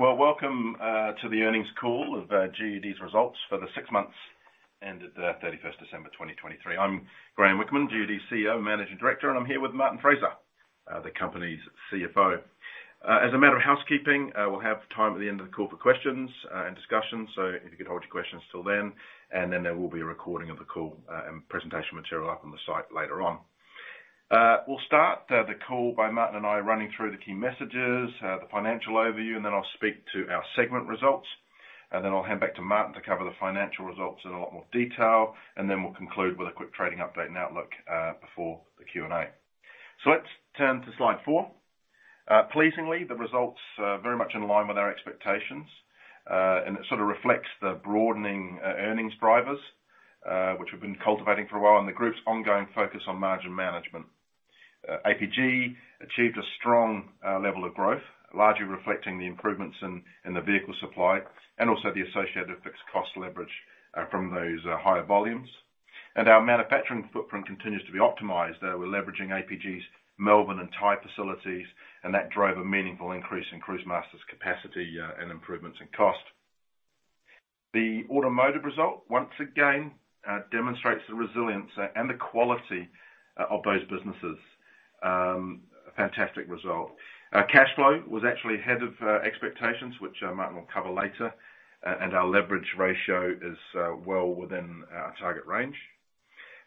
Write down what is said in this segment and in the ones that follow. Well, welcome to the earnings call of GUD's results for the six months ended 31 December 2023. I'm Graeme Whickman, GUD's CEO and Managing Director, and I'm here with Martin Fraser, the company's CFO. As a matter of housekeeping, we'll have time at the end of the call for questions and discussions, so if you could hold your questions till then, and then there will be a recording of the call and presentation material up on the site later on. We'll start the call by Martin and I running through the key messages, the financial overview, and then I'll speak to our segment results. Then I'll hand back to Martin to cover the financial results in a lot more detail, and then we'll conclude with a quick trading update and outlook before the Q&A. So let's turn to slide 4. Pleasingly, the results are very much in line with our expectations, and it sort of reflects the broadening earnings drivers, which we've been cultivating for a while, and the group's ongoing focus on margin management. APG achieved a strong level of growth, largely reflecting the improvements in the vehicle supply and also the associated fixed cost leverage from those higher volumes. Our manufacturing footprint continues to be optimized, we're leveraging APG's Melbourne and Thai facilities, and that drove a meaningful increase in Cruisemaster's capacity and improvements in cost. The automotive result, once again, demonstrates the resilience and the quality of those businesses. A fantastic result. Our cash flow was actually ahead of expectations, which Martin will cover later. Our leverage ratio is well within our target range.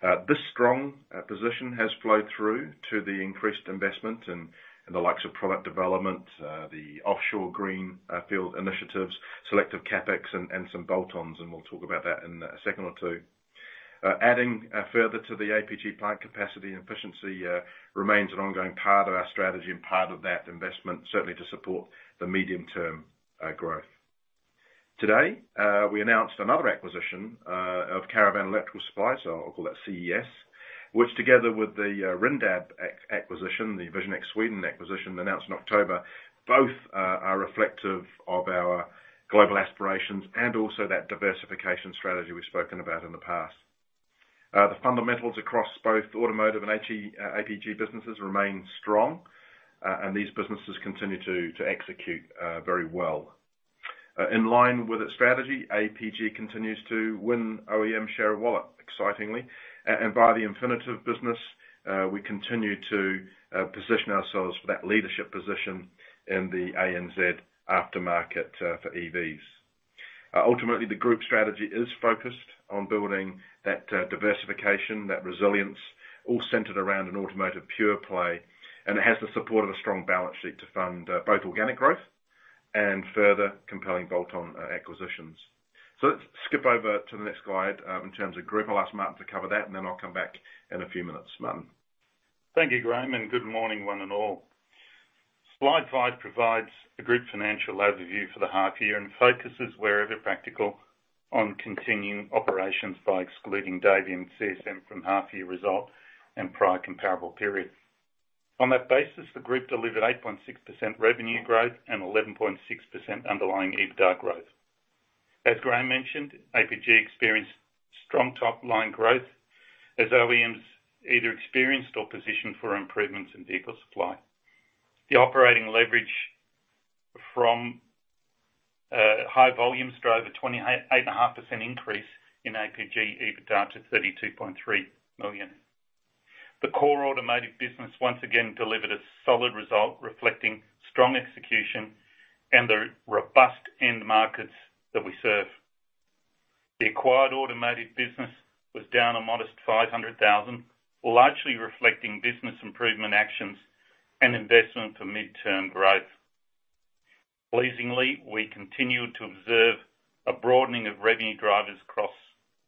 This strong position has flowed through to the increased investment in the likes of product development, the offshore green field initiatives, selective CapEx and some bolt-ons, and we'll talk about that in a second or two. Adding further to the APG plant capacity and efficiency remains an ongoing part of our strategy and part of that investment, certainly to support the medium-term growth. Today we announced another acquisition of Caravan Electrical Supplies, so I'll call that CES, which, together with the Rindab acquisition, the Vision X Sweden acquisition announced in October, both are reflective of our global aspirations and also that diversification strategy we've spoken about in the past. The fundamentals across both automotive and APG businesses remain strong, and these businesses continue to execute very well. In line with its strategy, APG continues to win OEM share of wallet, excitingly. And via the Infinitev business, we continue to position ourselves for that leadership position in the ANZ aftermarket for EVs. Ultimately, the group strategy is focused on building that diversification, that resilience, all centered around an automotive pure play, and it has the support of a strong balance sheet to fund both organic growth and further compelling bolt-on acquisitions. So let's skip over to the next slide, in terms of group. I'll ask Martin to cover that, and then I'll come back in a few minutes. Martin? Thank you, Graeme, and good morning, one and all. Slide five provides a group financial overview for the half year and focuses, wherever practical, on continuing operations by excluding Davey and CSM from half year results and prior comparable periods. On that basis, the group delivered 8.6% revenue growth and 11.6% underlying EBITDA growth. As Graeme mentioned, APG experienced strong top-line growth as OEMs either experienced or positioned for improvements in vehicle supply. The operating leverage from high volumes drove a 28.85% increase in APG EBITDA to $32.3 million. The core automotive business once again delivered a solid result, reflecting strong execution and the robust end markets that we serve. The acquired automotive business was down a modest $500 thousand, largely reflecting business improvement actions and investment for midterm growth. Pleasingly, we continued to observe a broadening of revenue drivers across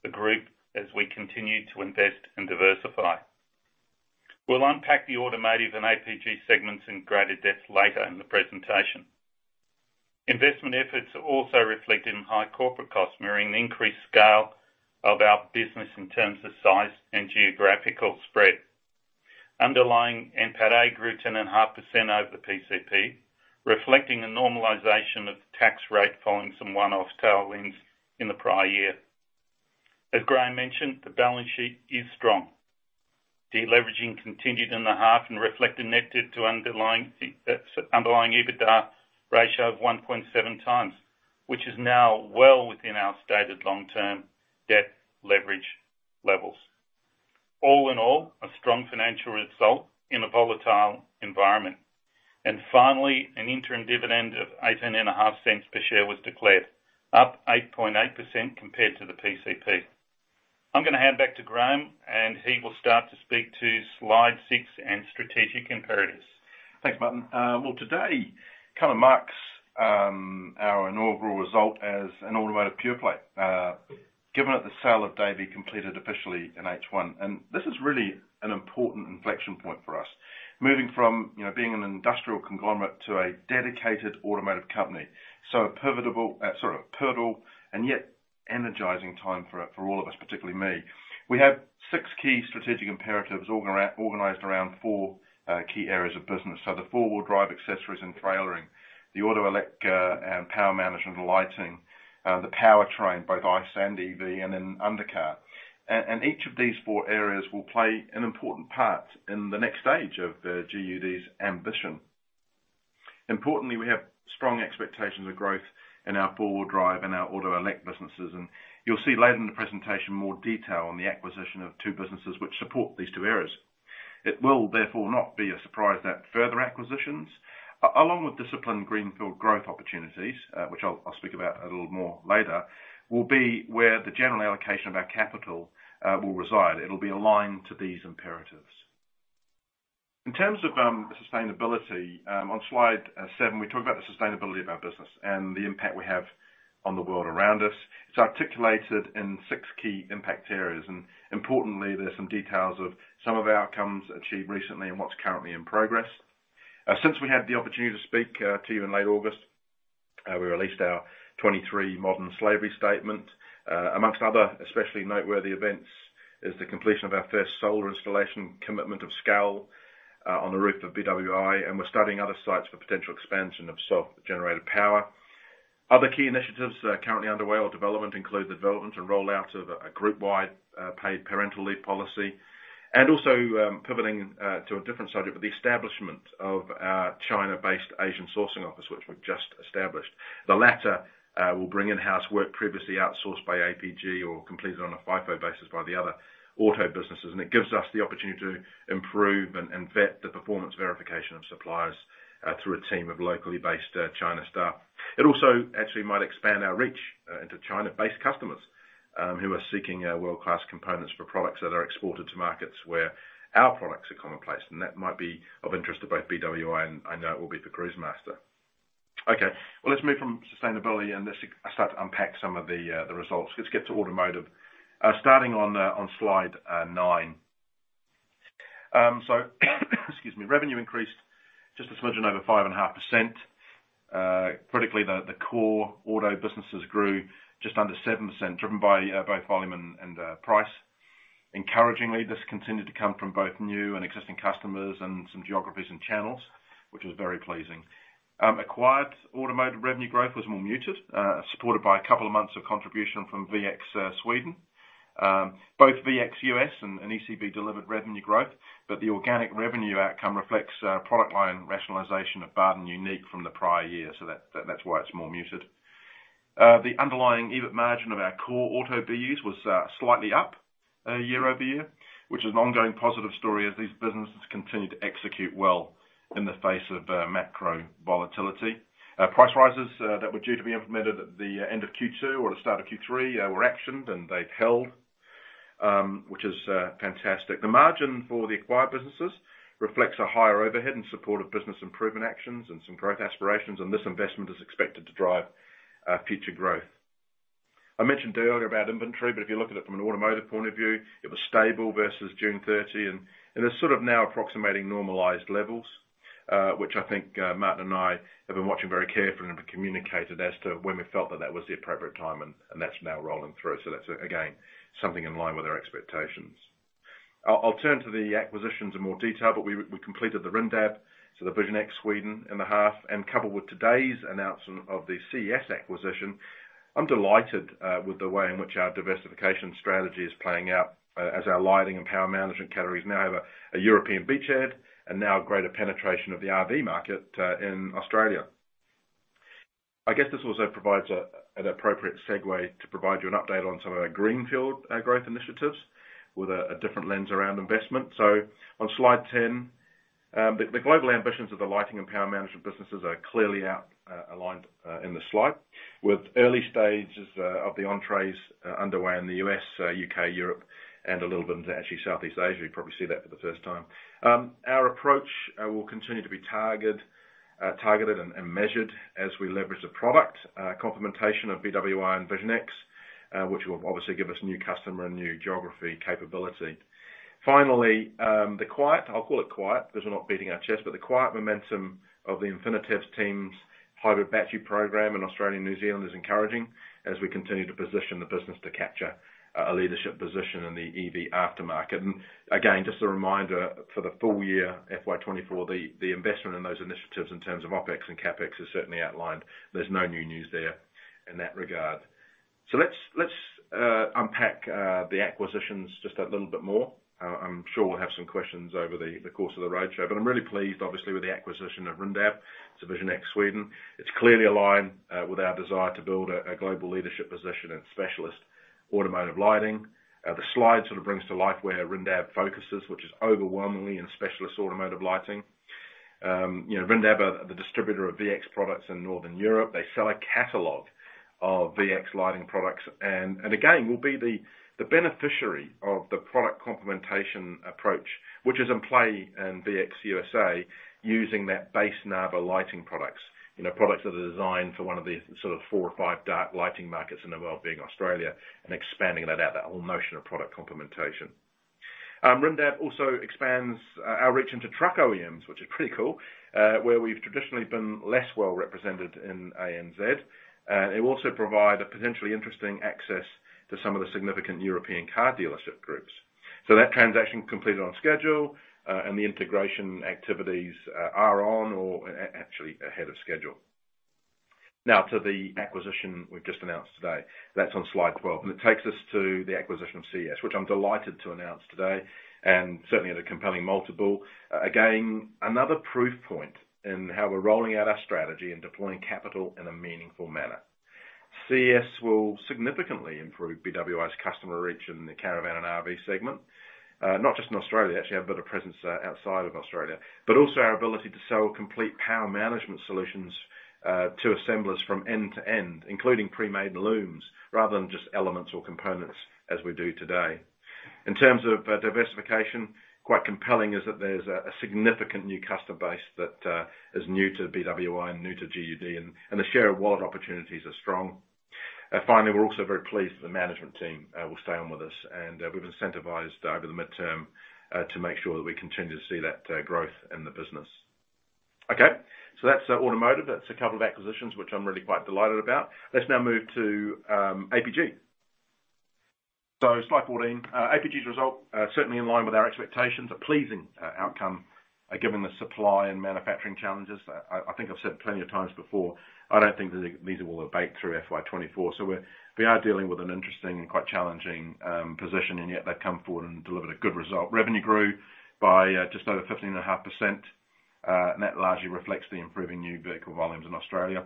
the group as we continue to invest and diversify. We'll unpack the automotive and APG segments in greater depth later in the presentation. Investment efforts are also reflected in high corporate costs, mirroring the increased scale of our business in terms of size and geographical spread. Underlying NPATA a grew 10.5% over the PCP, reflecting a normalization of the tax rate following some one-off tailwinds in the prior year. As Graeme mentioned, the balance sheet is strong. Deleveraging continued in the half and reflected net debt to underlying EBITDA ratio of 1.7x, which is now well within our stated long-term debt leverage levels. All in all, a strong financial result in a volatile environment. Finally, an interim dividend of $18.5 per share was declared, up 8.8% compared to the PCP. I'm gonna hand back to Graeme, and he will start to speak to slide six and strategic imperatives. Thanks, Martin. Well, today kind of marks our inaugural result as an automotive pure play, given that the sale of Davey completed officially in H1. And this is really an important inflection point for us, moving from, you know, being an industrial conglomerate to a dedicated automotive company. A pivotal and yet energizing time for all of us, particularly me. We have six key strategic imperatives organized around four key areas of business. So the four-wheel drive, accessories and trailering, the auto elect and power management and lighting, the powertrain, both ICE and EV, and then undercar. And each of these four areas will play an important part in the next stage of GUD's ambition. Importantly, we have strong expectations of growth in our four-wheel drive and our auto elect businesses, and you'll see later in the presentation more detail on the acquisition of two businesses which support these two areas. It will, therefore, not be a surprise that further acquisitions, along with disciplined greenfield growth opportunities, which I'll speak about a little more later, will be where the general allocation of our capital will reside. It'll be aligned to these imperatives. In terms of sustainability, on slide seven, we talk about the sustainability of our business and the impact we have on the world around us. It's articulated in six key impact areas, and importantly, there's some details of some of our outcomes achieved recently and what's currently in progress. Since we had the opportunity to speak to you in late August, we released our 2023 modern slavery statement. Among other especially noteworthy events is the completion of our first solar installation commitment of scale on the roof of BWI, and we're studying other sites for potential expansion of self-generated power. Other key initiatives that are currently underway or development include the development and rollout of a group-wide paid parental leave policy, and also, pivoting to a different subject, but the establishment of our China-based Asian sourcing office, which we've just established. The latter will bring in-house work previously outsourced by APG or completed on a FIFO basis by the other auto businesses, and it gives us the opportunity to improve and vet the performance verification of suppliers through a team of locally based China staff. It also actually might expand our reach into China-based customers who are seeking world-class components for products that are exported to markets where our products are commonplace, and that might be of interest to both BWI and, I know it will be for Cruisemaster. Okay. Well, let's move from sustainability, and let's start to unpack some of the results. Let's get to automotive. Starting on slide nine. So, excuse me, revenue increased just a smidgen over 5.5%. Critically, the core auto businesses grew just under 7%, driven by both volume and price. Encouragingly, this continued to come from both new and existing customers, and some geographies and channels, which was very pleasing. Acquired automotive revenue growth was more muted, supported by a couple of months of contribution from VX Sweden. Both VX US and ECB delivered revenue growth, but the organic revenue outcome reflects product line rationalization of [Bardin Unique] from the prior year, so that's why it's more muted. The underlying EBIT margin of our core auto BUs was slightly up year-over-year, which is an ongoing positive story as these businesses continue to execute well in the face of macro volatility. Price rises that were due to be implemented at the end of Q2 or the start of Q3 were actioned, and they've held, which is fantastic. The margin for the acquired businesses reflects a higher overhead in support of business improvement actions and some growth aspirations, and this investment is expected to drive future growth. I mentioned earlier about inventory, but if you look at it from an automotive point of view, it was stable versus June 30, and it's sort of now approximating normalized levels, which I think, Martin and I have been watching very carefully and have communicated as to when we felt that that was the appropriate time, and that's now rolling through. So that's, again, something in line with our expectations. I'll turn to the acquisitions in more detail, but we completed the Rindab, so the Vision X Sweden in the half, and coupled with today's announcement of the CES acquisition, I'm delighted with the way in which our diversification strategy is playing out, as our lighting and power management categories now have a European beachhead, and now greater penetration of the RV market in Australia. I guess this also provides an appropriate segue to provide you an update on some of our greenfield growth initiatives with a different lens around investment. So on slide 10, the global ambitions of the lighting and power management businesses are clearly outlined in the slide, with early stages of the entries underway in the U.S., U.K., Europe, and a little bit into actually Southeast Asia. You probably see that for the first time. Our approach will continue to be targeted and measured as we leverage the product complementation of BWI and Vision X, which will obviously give us new customer and new geography capability. Finally, the quiet. 'll call it quiet, because we're not beating our chest, but the quiet momentum of the Infinitive teams' hybrid battery program in Australia and New Zealand is encouraging, as we continue to position the business to capture a leadership position in the EV aftermarket. And again, just a reminder, for the full year, FY 2024, the investment in those initiatives in terms of OpEx and CapEx is certainly outlined. There's no new news there in that regard. So let's unpack the acquisitions just a little bit more. I'm sure we'll have some questions over the course of the roadshow, but I'm really pleased, obviously, with the acquisition of Rindab, so Vision X Sweden. It's clearly aligned with our desire to build a global leadership position in specialist automotive lighting. The slide sort of brings to life where Rindab focuses, which is overwhelmingly in specialist automotive lighting. You know, Rindab are the distributor of VX products in Northern Europe. They sell a catalog of VX lighting products, and again, will be the beneficiary of the product complementation approach, which is in play in VX USA, using that base Narva lighting products. You know, products that are designed for one of the sort of four or five dark lighting markets in the world, being Australia, and expanding that out, that whole notion of product complementation. Rindab also expands our reach into truck OEMs, which is pretty cool, where we've traditionally been less well represented in ANZ. It will also provide a potentially interesting access to some of the significant European car dealership groups. So that transaction completed on schedule, and the integration activities are on or actually ahead of schedule. Now to the acquisition we've just announced today, that's on slide 12, and it takes us to the acquisition of CES, which I'm delighted to announce today, and certainly at a compelling multiple. Again, another proof point in how we're rolling out our strategy and deploying capital in a meaningful manner. CES will significantly improve BWI's customer reach in the caravan and RV segment, not just in Australia, actually have a bit of presence outside of Australia, but also our ability to sell complete power management solutions to assemblers from end to end, including pre-made looms, rather than just elements or components as we do today. In terms of diversification, quite compelling is that there's a significant new customer base that is new to BWI and new to GUD, and the share of wallet opportunities are strong. Finally, we're also very pleased that the management team will stay on with us, and we've incentivized over the midterm to make sure that we continue to see that growth in the business. Okay, so that's automotive. That's a couple of acquisitions which I'm really quite delighted about. Let's now move to APG. So slide 14. APG's result certainly in line with our expectations, a pleasing outcome, given the supply and manufacturing challenges. I think I've said plenty of times before, I don't think that these will abate through FY 2024. So we are dealing with an interesting and quite challenging position, and yet they've come forward and delivered a good result. Revenue grew by just over 15.5%. And that largely reflects the improving new vehicle volumes in Australia.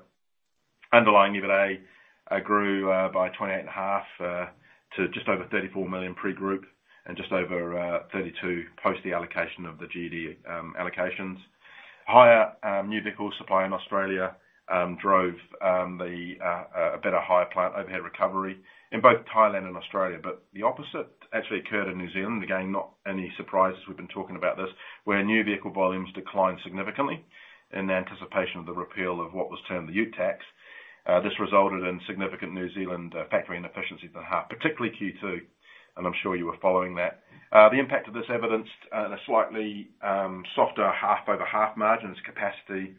Underlying EBITDA grew by 28.5 to just over 34 million pre-group, and just over 32 million, post the allocation of the GD allocations. Higher new vehicle supply in Australia drove a better higher plant overhead recovery in both Thailand and Australia, but the opposite actually occurred in New Zealand. Again, not any surprises, we've been talking about this, where new vehicle volumes declined significantly in anticipation of the repeal of what was termed the Ute Tax. This resulted in significant New Zealand factory inefficiencies in the half, particularly Q2, and I'm sure you were following that. The impact of this evidenced in a slightly softer half-over-half margin, as capacity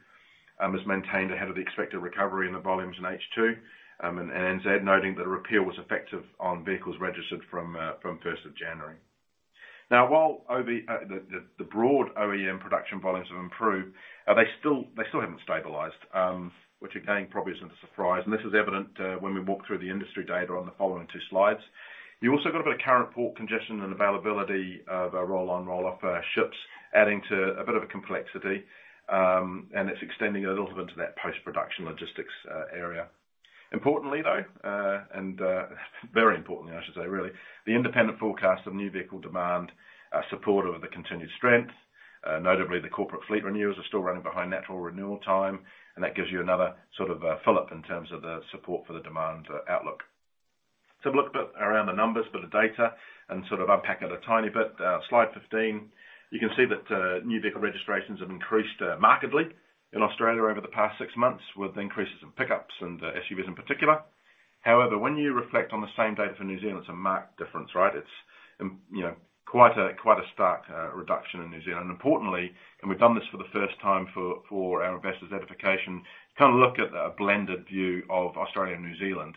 was maintained ahead of the expected recovery in the volumes in H2. And NZ, noting that a repeal was effective on vehicles registered from first of January. Now, while the broad OEM production volumes have improved, they still, they still haven't stabilized, which again, probably isn't a surprise. This is evident when we walk through the industry data on the following two slides. You've also got a bit of current port congestion and availability of roll-on, roll-off ships, adding to a bit of a complexity. It's extending a little bit into that post-production logistics area. Importantly, though, and very importantly, I should say really, the independent forecast of new vehicle demand are supportive of the continued strength. Notably, the corporate fleet renewals are still running behind natural renewal time, and that gives you another sort of fill up in terms of the support for the demand outlook. So have a look a bit around the numbers, bit of data, and sort of unpack it a tiny bit. slide 15, you can see that new vehicle registrations have increased markedly in Australia over the past six months, with increases in pickups and SUVs in particular. However, when you reflect on the same data for New Zealand, it's a marked difference, right? It's, you know, quite a stark reduction in New Zealand. And importantly, we've done this for the first time for our investors' edification, kind of look at a blended view of Australia and New Zealand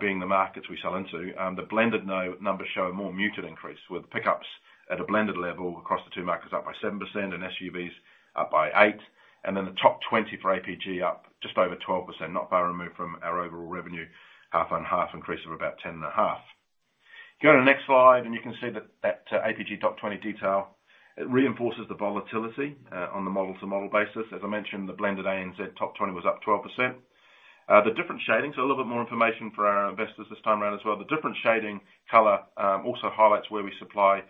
being the markets we sell into. The blended numbers show a more muted increase, with pickups at a blended level across the two markets up by 7% and SUVs up by 8%, and then the top 20 for APG, up just over 12%, not far removed from our overall revenue, half-on-half increase of about 10.5. If you go to the next slide, and you can see that, that APG top 20 detail, it reinforces the volatility on the model-to-model basis. As I mentioned, the blended ANZ top 20 was up 12%. The different shadings... So a little bit more information for our investors this time around as well. The different shading color also highlights where we supply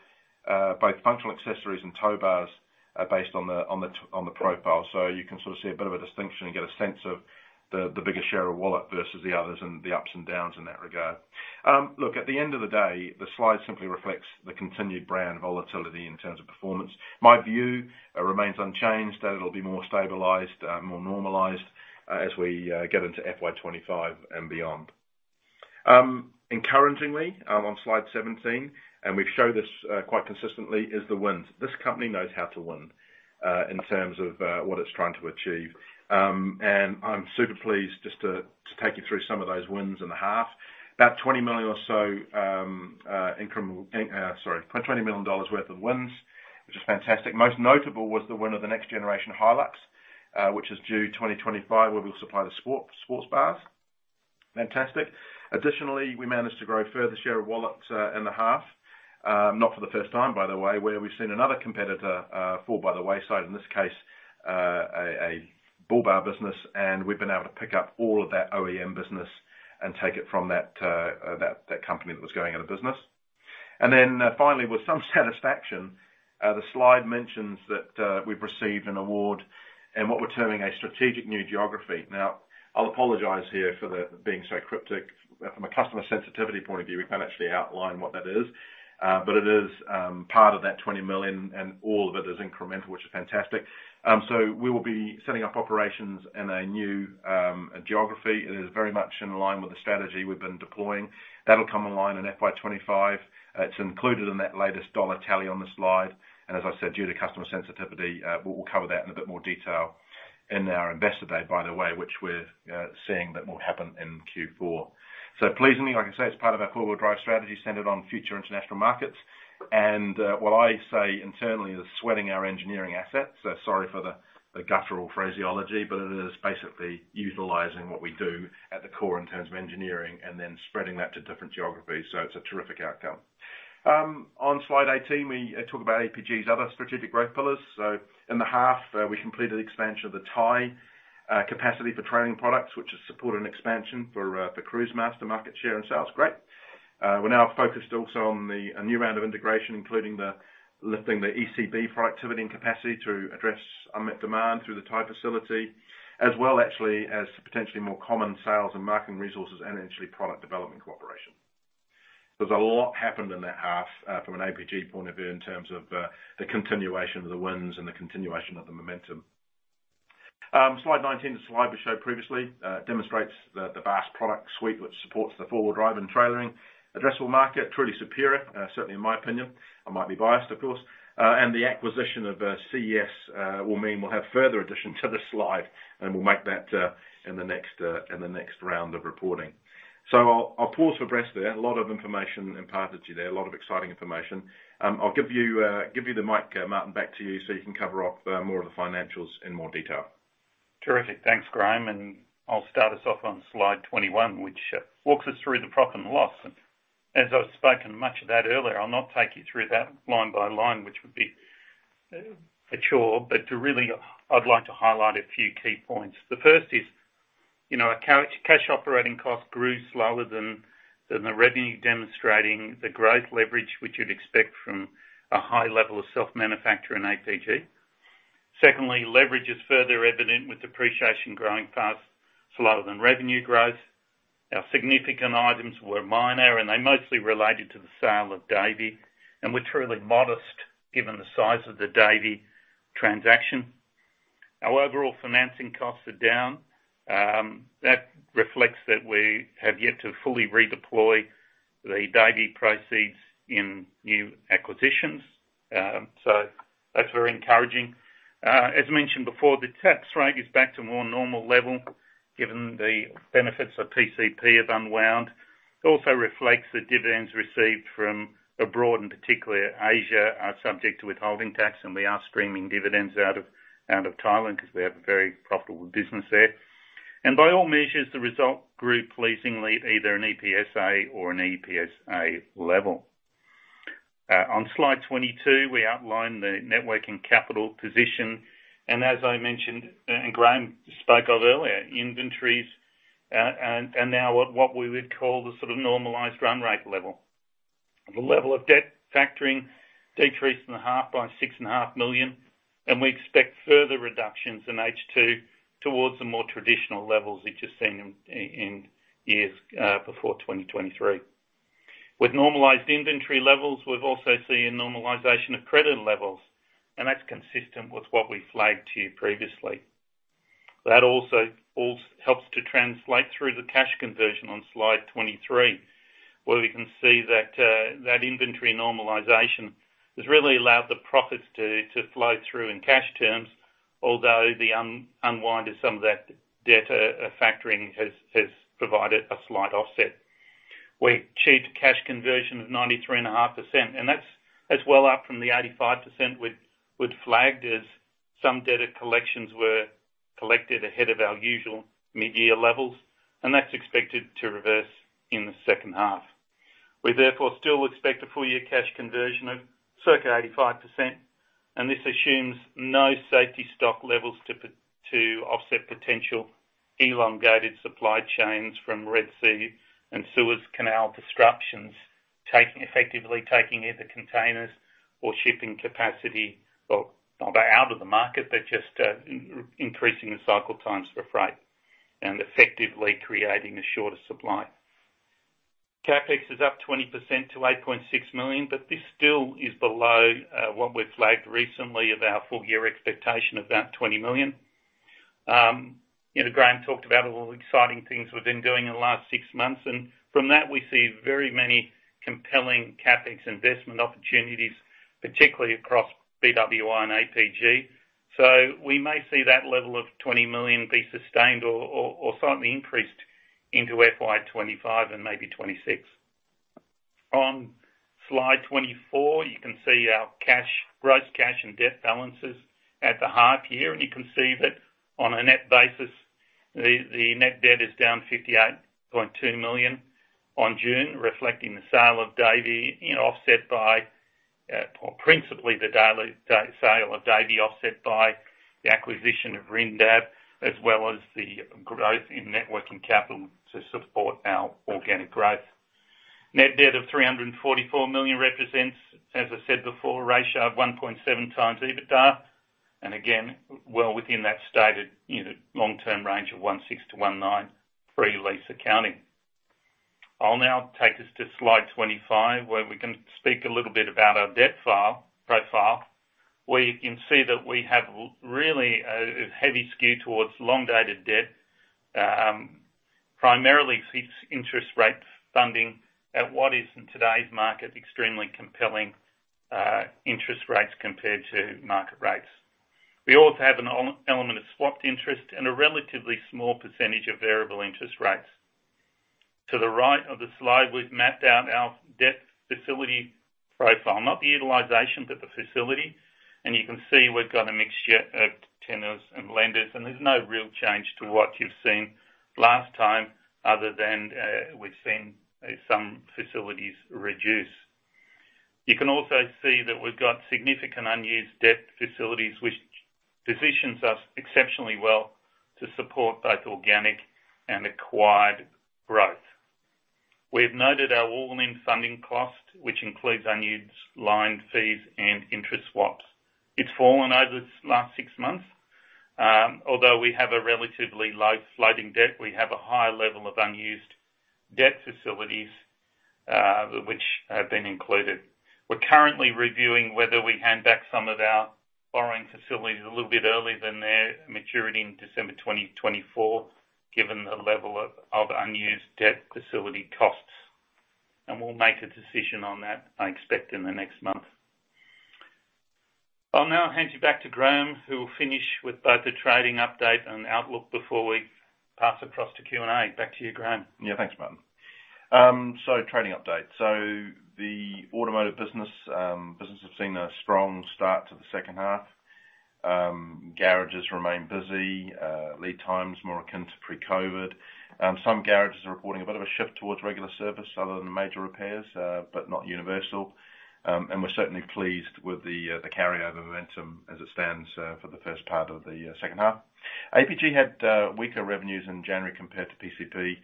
both functional accessories and tow bars based on the profile. So you can sort of see a bit of a distinction and get a sense of the biggest share of wallet versus the others and the ups and downs in that regard. Look, at the end of the day, the slide simply reflects the continued brand volatility in terms of performance. My view remains unchanged, that it'll be more stabilized, more normalized, as we get into FY 25 and beyond. Encouragingly, on slide 17, and we've showed this quite consistently, is the wins. This company knows how to win in terms of what it's trying to achieve. And I'm super pleased just to take you through some of those wins in the half. About 20 million or so, incremental, sorry, $20 million worth of wins, which is fantastic. Most notable was the win of the next generation Hilux, which is due 2025, where we'll supply the sports bars. Fantastic. Additionally, we managed to grow further share of wallet in the half, not for the first time, by the way, where we've seen another competitor fall by the wayside, in this case, a bull bar business, and we've been able to pick up all of that OEM business and take it from that company that was going out of business. Then, finally, with some satisfaction, the slide mentions that we've received an award in what we're terming a strategic new geography. Now, I'll apologize here for being so cryptic. From a customer sensitivity point of view, we can't actually outline what that is, but it is part of that $20 million, and all of it is incremental, which is fantastic. So we will be setting up operations in a new geography. It is very much in line with the strategy we've been deploying. That'll come online in FY 2025. It's included in that latest dollar tally on the slide. And as I said, due to customer sensitivity, we'll cover that in a bit more detail in our Investor Day, by the way, which we're seeing that will happen in Q4. So pleasingly, like I said, it's part of our forward drive strategy centered on future international markets, and what I say internally is sweating our engineering assets. So sorry for the guttural phraseology, but it is basically utilizing what we do at the core in terms of engineering, and then spreading that to different geographies. So it's a terrific outcome. On slide 18, we talk about APG's other strategic growth pillars. So in the half, we completed the expansion of the Thai capacity for trailering products, which has supported an expansion for the cruise master market share and sales. Great. We're now focused also on a new round of integration, including lifting the ECB [for activity] and capacity to address unmet demand through the Thai facility, as well, actually, as potentially more common sales and marketing resources, and actually product development cooperation. There's a lot happened in that half, from an APG point of view, in terms of the continuation of the wins and the continuation of the momentum. Slide 19, the slide we showed previously, demonstrates the vast product suite, which supports the four-wheel drive and trailering addressable market. Truly superior, certainly in my opinion. I might be biased, of course. And the acquisition of CES will mean we'll have further addition to this slide, and we'll make that in the next round of reporting. So I'll pause for breath there. A lot of information imparted to you there, a lot of exciting information. I'll give you the mic, Martin, back to you, so you can cover off more of the financials in more detail. Terrific. Thanks, Graeme, and I'll start us off on slide 21, which walks us through the profit and loss. As I've spoken much of that earlier, I'll not take you through that line by line, which would be a chore, but to really. I'd like to highlight a few key points. The first is, you know, our cash operating cost grew slower than the revenue, demonstrating the great leverage which you'd expect from a high level of self-manufacture in APG. Secondly, leverage is further evident with depreciation growing fast, slower than revenue growth. Our significant items were minor, and they mostly related to the sale of Davey, and were truly modest, given the size of the Davey transaction. Our overall financing costs are down. That reflects that we have yet to fully redeploy the Davey proceeds in new acquisitions. So that's very encouraging. As mentioned before, the tax rate is back to more normal level, given the benefits of PCP have unwound. It also reflects the dividends received from abroad, and particularly Asia, are subject to withholding tax, and we are streaming dividends out of Thailand, 'cause we have a very profitable business there. By all measures, the result grew pleasingly at either an EPSA or an EPSA level. On slide 22, we outline the net working capital position, and as I mentioned, and Graeme spoke of earlier, inventories are now what we would call the sort of normalized run rate level. The level of debt factoring decreased in the half by $6.5 million, and we expect further reductions in H2 towards the more traditional levels that you've seen in years before 2023. With normalized inventory levels, we've also seen a normalization of credit levels, and that's consistent with what we flagged to you previously. That also helps to translate through the cash conversion on slide 23, where we can see that that inventory normalization has really allowed the profits to flow through in cash terms, although the unwind of some of that debt factoring has provided a slight offset. We achieved a cash conversion of 93.5%, and that's well up from the 85% we'd flagged, as some debtor collections were collected ahead of our usual mid-year levels, and that's expected to reverse in the second half. We therefore still expect a full year cash conversion of circa 85%, and this assumes no safety stock levels to offset potential elongated supply chains from Red Sea and Suez Canal disruptions, effectively taking either containers or shipping capacity, well, not out of the market, but just, increasing the cycle times for freight, and effectively creating a shorter supply. CapEx is up 20% to $8.6 million, but this still is below what we've flagged recently of our full year expectation of about $20 million. You know, Graeme talked about all the exciting things we've been doing in the last six months, and from that, we see very many compelling CapEx investment opportunities, particularly across BWI and APG. So we may see that level of $20 million be sustained or slightly increased into FY 2025 and maybe 2026. On slide 24, you can see our cash, gross cash and debt balances at the half year, and you can see that on a net basis, the net debt is down $58.2 million on June, reflecting the sale of Davey, you know, offset by or principally the sale of Davey, offset by the acquisition of Rindab, as well as the growth in net working capital to support our organic growth. Net debt of $344 million represents, as I said before, a ratio of 1.7x EBITDA, and again, well within that stated, you know, long-term range of 1.6x-1.9x, pre-lease accounting. I'll now take us to slide 25, where we can speak a little bit about our debt profile, where you can see that we have really a heavy skew towards long-dated debt. primarily fixed interest rate funding at what is, in today's market, extremely compelling interest rates compared to market rates. We also have an element of swapped interest and a relatively small percentage of variable interest rates. To the right of the slide, we've mapped out our debt facility profile, not the utilization, but the facility, and you can see we've got a mixture of tenants and lenders, and there's no real change to what you've seen last time, other than we've seen some facilities reduce. You can also see that we've got significant unused debt facilities, which positions us exceptionally well to support both organic and acquired growth. We've noted our all-in funding cost, which includes unused line fees and interest swaps. It's fallen over the last six months. Although we have a relatively low floating debt, we have a high level of unused debt facilities, which have been included. We're currently reviewing whether we hand back some of our borrowing facilities a little bit earlier than their maturity in December 2024, given the level of unused debt facility costs, and we'll make a decision on that, I expect, in the next month. I'll now hand you back to Graeme, who will finish with both the trading update and outlook before we pass across to Q&A. Back to you, Graeme. Yeah, thanks, Martin. Trading update. The automotive business has seen a strong start to the second half. Garages remain busy, lead times more akin to pre-COVID. Some garages are reporting a bit of a shift towards regular service other than major repairs, but not universal. We're certainly pleased with the carryover momentum as it stands, for the first part of the second half. APG had weaker revenues in January compared to PCP.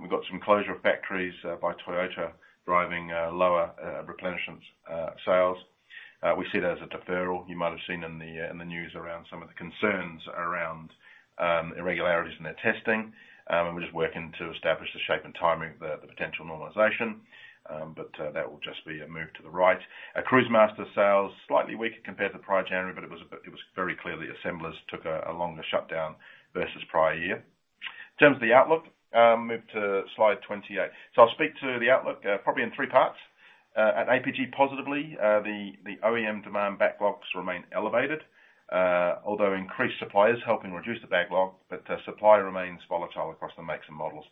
We've got some closure of factories by Toyota, driving lower replenishment sales. We see it as a deferral. You might have seen in the news around some of the concerns around irregularities in their testing. And we're just working to establish the shape and timing of the potential normalization, but that will just be a move to the right. Cruisemaster sales, slightly weaker compared to prior January, but it was very clear the assemblers took a longer shutdown versus prior year. In terms of the outlook, move to slide 28. So I'll speak to the outlook, probably in three parts. At APG, positively, the OEM demand backlogs remain elevated, although increased supply is helping reduce the backlog, but supply remains volatile across the makes and models.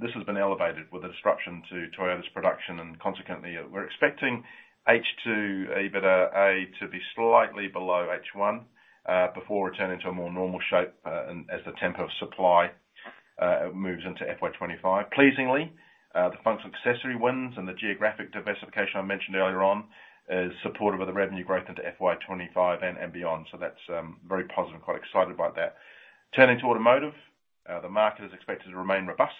This has been elevated with a disruption to Toyota's production, and consequently, we're expecting H2 a bit to be slightly below H1 before returning to a more normal shape, and as the tempo of supply moves into FY 2025. Pleasingly, the functional accessory wins and the geographic diversification I mentioned earlier on is supportive of the revenue growth into FY 2025 and, and beyond. So that's very positive, quite excited about that. Turning to automotive, the market is expected to remain robust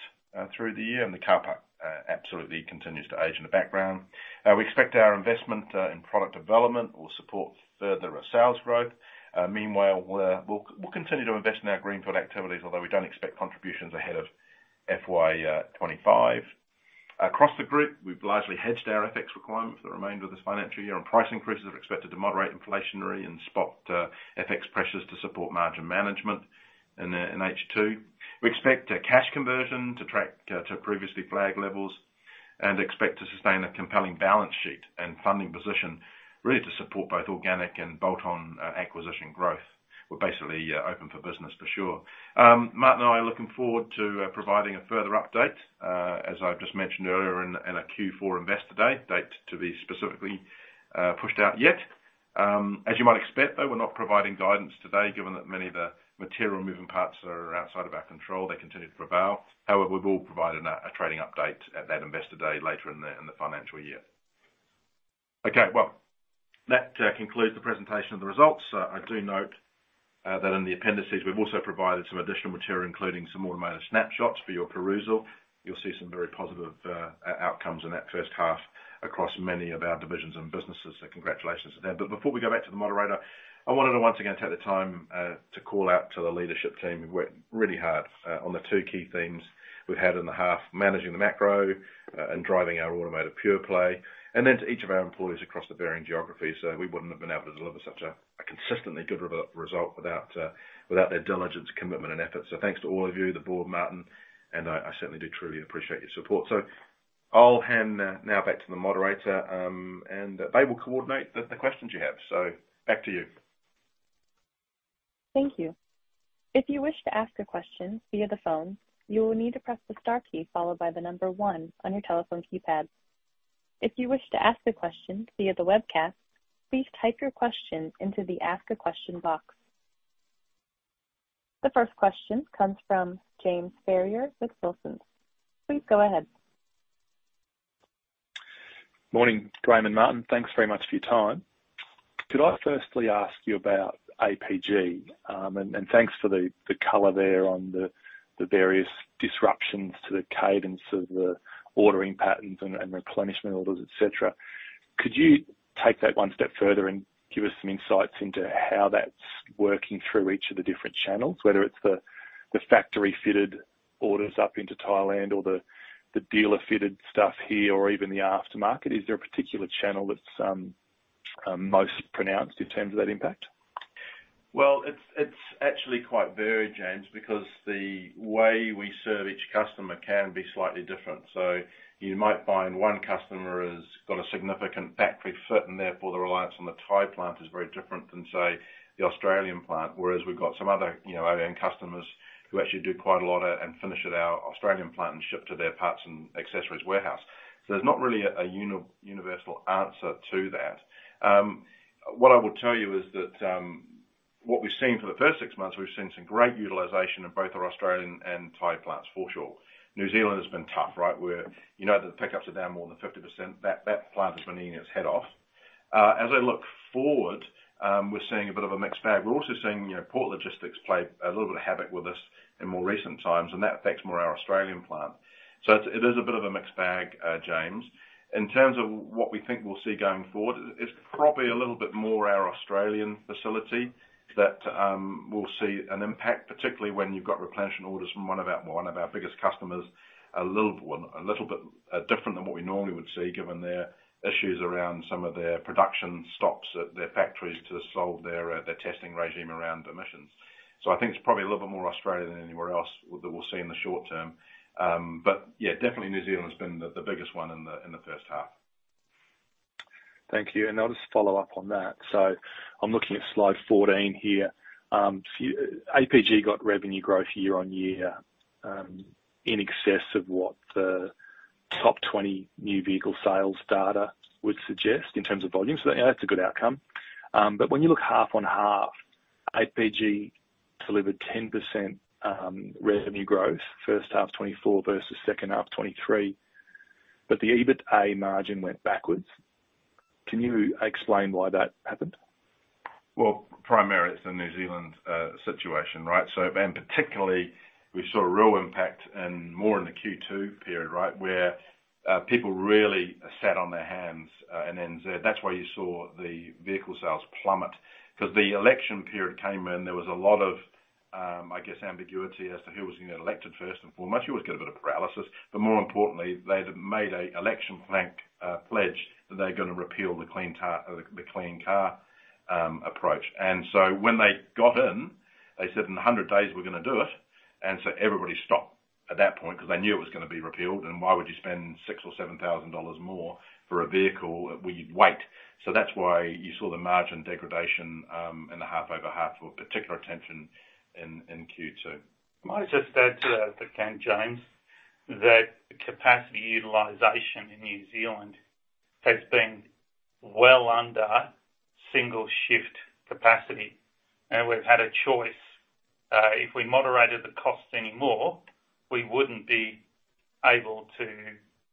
through the year, and the car park absolutely continues to age in the background. We expect our investment in product development will support further our sales growth. Meanwhile, we're, we'll, we'll continue to invest in our greenfield activities, although we don't expect contributions ahead of FY 2025. Across the group, we've largely hedged our FX requirements for the remainder of this financial year, and price increases are expected to moderate inflationary and spot FX pressures to support margin management in H2. We expect cash conversion to track to previously flagged levels, and expect to sustain a compelling balance sheet and funding position, really to support both organic and bolt-on acquisition growth. We're basically open for business for sure. Martin and I are looking forward to providing a further update, as I've just mentioned earlier, in a Q4 Investor Day, date to be specifically pushed out yet. As you might expect, though, we're not providing guidance today, given that many of the material moving parts are outside of our control, they continue to prevail. However, we will provide a trading update at that Investor Day later in the financial year. Okay, well, that concludes the presentation of the results. I do note that in the appendices, we've also provided some additional material, including some automotive snapshots for your perusal. You'll see some very positive outcomes in that first half across many of our divisions and businesses, so congratulations to them. But before we go back to the moderator, I wanted to once again take the time to call out to the leadership team, who worked really hard on the two key themes we've had in the half: managing the macro and driving our automotive pure play. Then to each of our employees across the varying geographies, we wouldn't have been able to deliver such a consistently good result without their diligence, commitment, and effort. Thanks to all of you, the board, Martin, and I certainly do truly appreciate your support. I'll hand now back to the moderator, and they will coordinate the questions you have. Back to you. Thank you. If you wish to ask a question via the phone, you will need to press the star key followed by the number oneon your telephone keypad. If you wish to ask a question via the webcast, please type your question into the Ask a Question box. The first question comes from. Please go ahead. Morning, Graeme and Martin. Thanks very much for your time. Could I firstly ask you about APG? Thanks for the color there on the various disruptions to the cadence of the ordering patterns and replenishment orders, et cetera. Could you take that one step further and give us some insights into how that's working through each of the different channels, whether it's the factory-fitted orders up into Thailand or the dealer-fitted stuff here, or even the aftermarket? Is there a particular channel that's most pronounced in terms of that impact? Well, it's actually quite varied, James, because the way we serve each customer can be slightly different. So you might find one customer has got a significant factory fit, and therefore, the reliance on the tire plant is very different than, say, the Australian plant. Whereas we've got some other, you know, OEM customers who actually do quite a lot of and finish at our Australian plant and ship to their parts and accessories warehouse. So there's not really a universal answer to that. What I will tell you is that we've seen for the first six months, we've seen some great utilization of both our Australian and Thai plants, for sure. New Zealand has been tough, right? Where you know that the pickups are down more than 50%, that plant has been working its head off. As I look forward, we're seeing a bit of a mixed bag. We're also seeing, you know, port logistics play a little bit of havoc with us in more recent times, and that affects more our Australian plant. So it is a bit of a mixed bag, James. In terms of what we think we'll see going forward, it's probably a little bit more our Australian facility that we'll see an impact, particularly when you've got replenishment orders from one of our biggest customers, a little bit different than what we normally would see, given their issues around some of their production stops at their factories to solve their testing regime around emissions. So I think it's probably a little bit more Australia than anywhere else that we'll see in the short term. But yeah, definitely New Zealand has been the biggest one in the first half. Thank you, and I'll just follow up on that. So I'm looking at slide 14 here. APG got revenue growth year-over-year, in excess of what the top 20 new vehicle sales data would suggest in terms of volume. So that, you know, that's a good outcome. But when you look half-on-half, APG delivered 10% revenue growth, first half 2024 versus second half 2023, but the EBITDA margin went backwards. Can you explain why that happened? Well, primarily, it's the New Zealand situation, right? So, and particularly, we saw a real impact, more in the Q2 period, right? Where people really sat on their hands in NZ. That's why you saw the vehicle sales plummet. 'Cause the election period came in, there was a lot of, I guess, ambiguity as to who was going to get elected, first and foremost. You always get a bit of paralysis, but more importantly, they'd made a election plank pledge that they're gonna repeal the clean car, the clean car approach. And so when they got in, they said, "In 100 days, we're gonna do it." And so everybody stopped at that point, because they knew it was gonna be repealed, and why would you spend $6,000 or $7000 more for a vehicle? We'd wait. So that's why you saw the margin degradation in the half-over-half of particular attention in Q2. I might just add to that, to James, that capacity utilization in New Zealand has been well under single shift capacity, and we've had a choice. If we moderated the costs anymore, we wouldn't be able to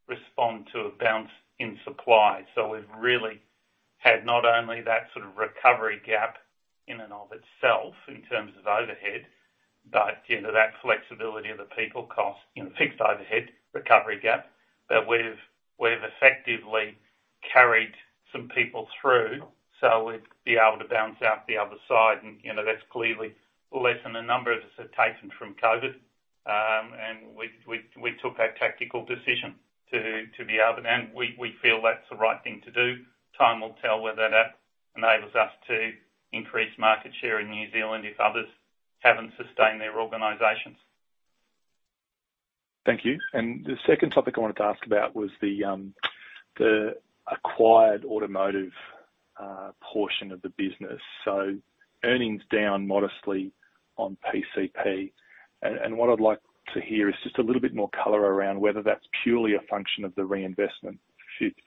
respond to a bounce in supply. So we've really had not only that sort of recovery gap in and of itself, in terms of overhead, but you know, that flexibility of the people cost in fixed overhead recovery gap, that we've effectively carried some people through. So we'd be able to bounce out the other side, and, you know, that's clearly less than the number of us have taken from COVID, and we took that tactical decision to be able to. We feel that's the right thing to do. Time will tell whether that enables us to increase market share in New Zealand if others haven't sustained their organizations. Thank you. And the second topic I wanted to ask about was the acquired automotive portion of the business. So earnings down modestly on PCP. And what I'd like to hear is just a little bit more color around whether that's purely a function of the reinvestment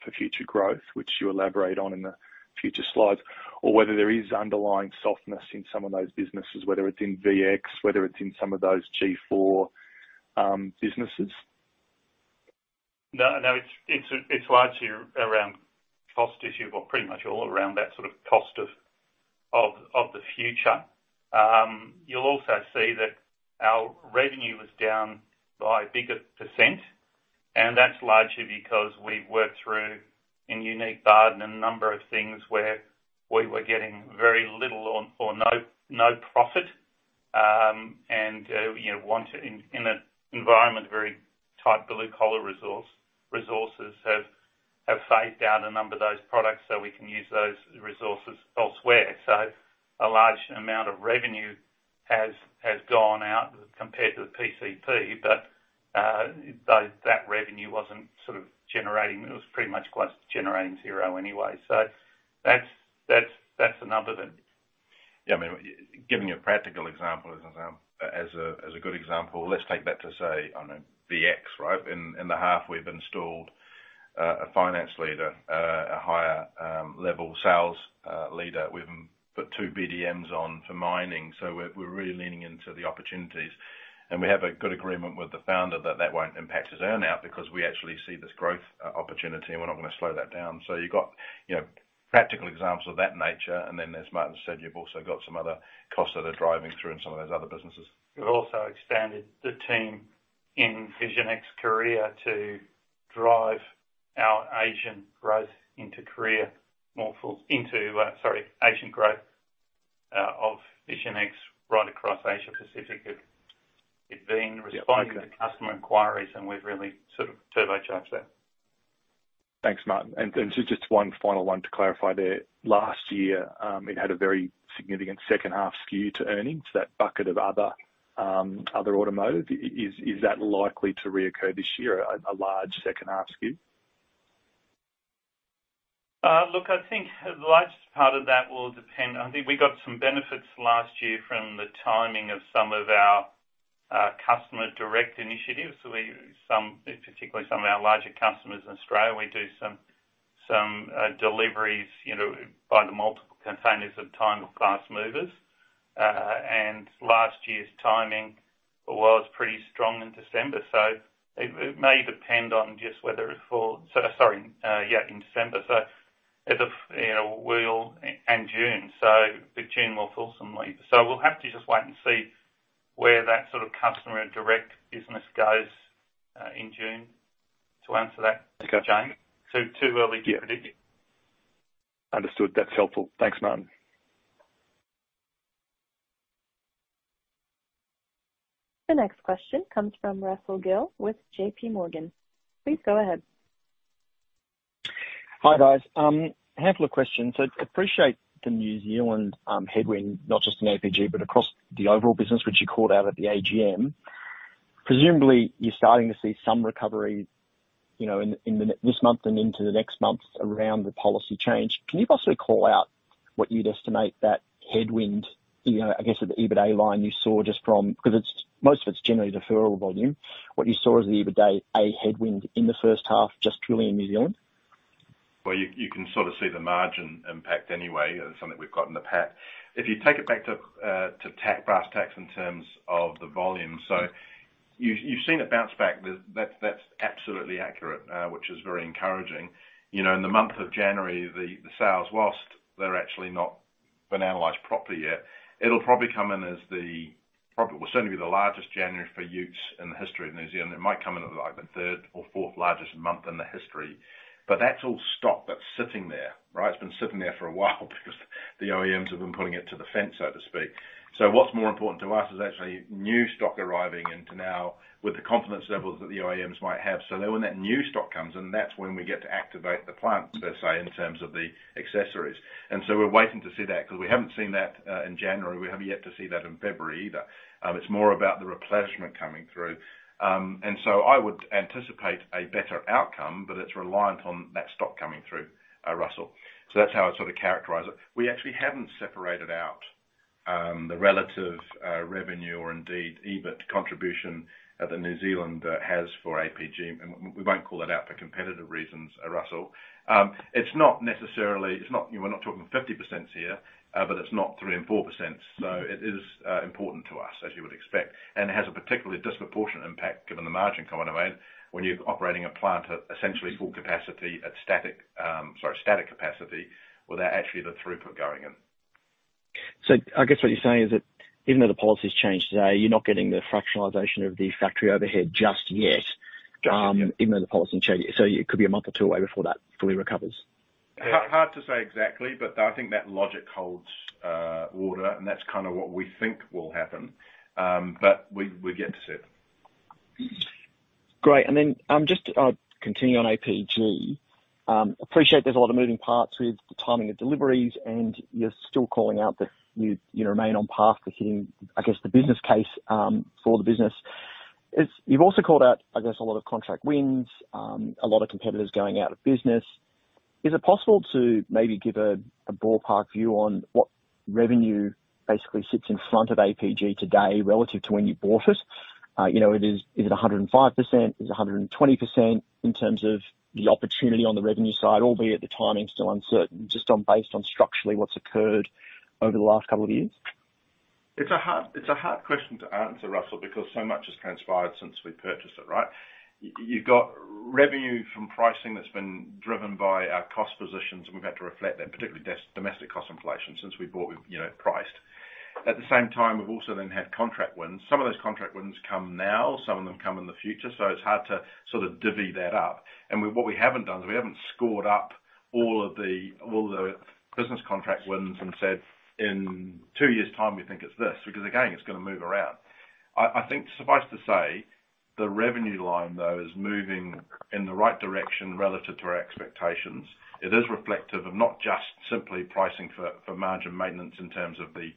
for future growth, which you elaborate on in the future slides, or whether there is underlying softness in some of those businesses, whether it's in VX, whether it's in some of those G4 businesses. No, no, it's largely around cost issue, or pretty much all around that sort of cost of the future. You'll also see that our revenue was down by a bigger percent, and that's largely because we've worked through, in Unique Barden, a number of things where we were getting very little or no profit. And you know, want to in an environment, very tight blue-collar resource, resources have phased out a number of those products, so we can use those resources elsewhere. So a large amount of revenue has gone out compared to the PCP, but that revenue wasn't sort of generating. It was pretty much quite generating zero anyway. So that's a number that. Yeah, I mean, giving a practical example as a good example, let's take that to, say, on a VX, right? In the half, we've installed a finance leader, a higher level sales leader. We've put two BDMs on for mining, so we're really leaning into the opportunities. And we have a good agreement with the founder that that won't impact his earn-out, because we actually see this growth opportunity, and we're not going to slow that down. So you've got, you know, practical examples of that nature, and then, as Martin said, you've also got some other costs that are driving through in some of those other businesses. We've also expanded the team in Vision X, Korea to drive our Asian growth of Vision X right across Asia Pacific. It being responding to customer inquiries, and we've really sort of turbocharged that. Thanks, Martin. And so just one final one to clarify there: last year, it had a very significant second half skew to earnings, that bucket of other automotive. Is that likely to reoccur this year, a large second half skew? Look, I think the largest part of that will depend—I think we got some benefits last year from the timing of some of our customer direct initiatives. So, particularly some of our larger customers in Australia, we do some deliveries, you know, by the multiple containers of time with class movers. And last year's timing was pretty strong in December, so it may depend on just whether it falls in December. Sorry, yeah, in December. So, if you know, we'll—and June, so but June more fulsomely. So we'll have to just wait and see where that sort of customer direct business goes in June, to answer that, James. Too early to predict. Yeah. Understood. That's helpful. Thanks, Martin. The next question comes from Russell Gill with JPMorgan. Please go ahead. Hi, guys. A handful of questions. So, appreciate the New Zealand headwind, not just in APG, but across the overall business, which you called out at the AGM. Presumably, you're starting to see some recovery, you know, in this month and into the next month around the policy change. Can you possibly call out what you'd estimate that headwind, you know, I guess, at the EBITDA line you saw just from. Because it's, most of its generally deferral volume, what you saw as the EBITDA a headwind in the first half, just purely in New Zealand? Well, you can sort of see the margin impact anyway, something we've got in the past. If you take it back to the brass tacks in terms of the volume, so you've seen it bounce back. That's absolutely accurate, which is very encouraging. You know, in the month of January, the sales, whilst they're actually not been analyzed properly yet, it'll probably come in as the, probably, well, certainly be the largest January for utes in the history of New Zealand. It might come in at, like, the third or fourth largest month in the history, but that's all stock that's sitting there, right? It's been sitting there for a while because the OEMs have been putting it on the fence, so to speak. So what's more important to us is actually new stock arriving into now with the confidence levels that the OEMs might have. So then when that new stock comes in, that's when we get to activate the plant, per se, in terms of the accessories. And so we're waiting to see that, because we haven't seen that in January. We have yet to see that in February, either. It's more about the replenishment coming through. And so I would anticipate a better outcome, but it's reliant on that stock coming through, Russell. So that's how I'd sort of characterize it. We actually haven't separated out the relative revenue or indeed, EBIT contribution that the New Zealand has for APG, and we won't call that out for competitive reasons, Russell. It's not necessarily. It's not, you know, we're not talking 50% here, but it's not 3% and 4%. So it is important to us, as you would expect, and it has a particularly disproportionate impact, given the margin component, when you're operating a plant at essentially full capacity, at static, sorry, static capacity, without actually the throughput going in. I guess what you're saying is that even though the policy's changed today, you're not getting the fractionalization of the factory overhead just yet. Just yet. Even though the policy changed, so it could be a month or two away before that fully recovers? Hard to say exactly, but I think that logic holds water, and that's kind of what we think will happen. But we, we're yet to see. Great. And then, just, continuing on APG, appreciate there's a lot of moving parts with the timing of deliveries, and you're still calling out that you remain on path for hitting, I guess, the business case, for the business. It's. You've also called out, I guess, a lot of contract wins, a lot of competitors going out of business. Is it possible to maybe give a ballpark view on what revenue basically sits in front of APG today relative to when you bought it? You know, is it 105%, is it 120% in terms of the opportunity on the revenue side, albeit the timing's still uncertain, just on, based on structurally what's occurred over the last couple of years? It's a hard, it's a hard question to answer, Russell, because so much has transpired since we purchased it, right? You've got revenue from pricing that's been driven by our cost positions, and we've had to reflect that, particularly domestic cost inflation since we bought, we, you know, priced. At the same time, we've also then had contract wins. Some of those contract wins come now, some of them come in the future, so it's hard to sort of divvy that up. And what we haven't done is we haven't scored up all the business contract wins and said, "In two years' time, we think it's this," because again, it's gonna move around. I think suffice to say, the revenue line, though, is moving in the right direction relative to our expectations. It is reflective of not just simply pricing for margin maintenance in terms of the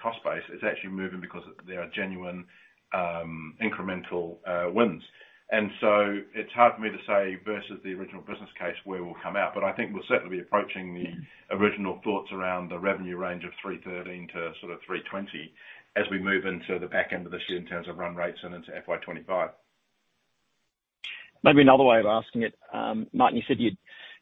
cost base, it's actually moving because there are genuine incremental wins. And so it's hard for me to say versus the original business case, where we'll come out, but I think we'll certainly be approaching the original thoughts around the revenue range of $313 million to sort of $320 million as we move into the back end of this year in terms of run rates and into FY 2025. Maybe another way of asking it, Martin, you said you'd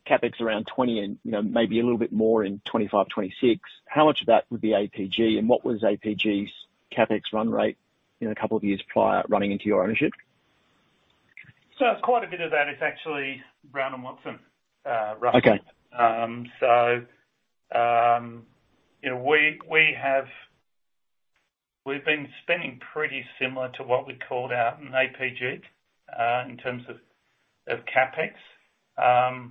CapEx around $20 million and, you know, maybe a little bit more in 2025, 2026. How much of that would be APG, and what was APG's CapEx run rate in a couple of years prior, running into your ownership? Quite a bit of that is actually Brown and Watson, Russell. Okay. So, you know, we've been spending pretty similar to what we called out in APG, in terms of CapEx.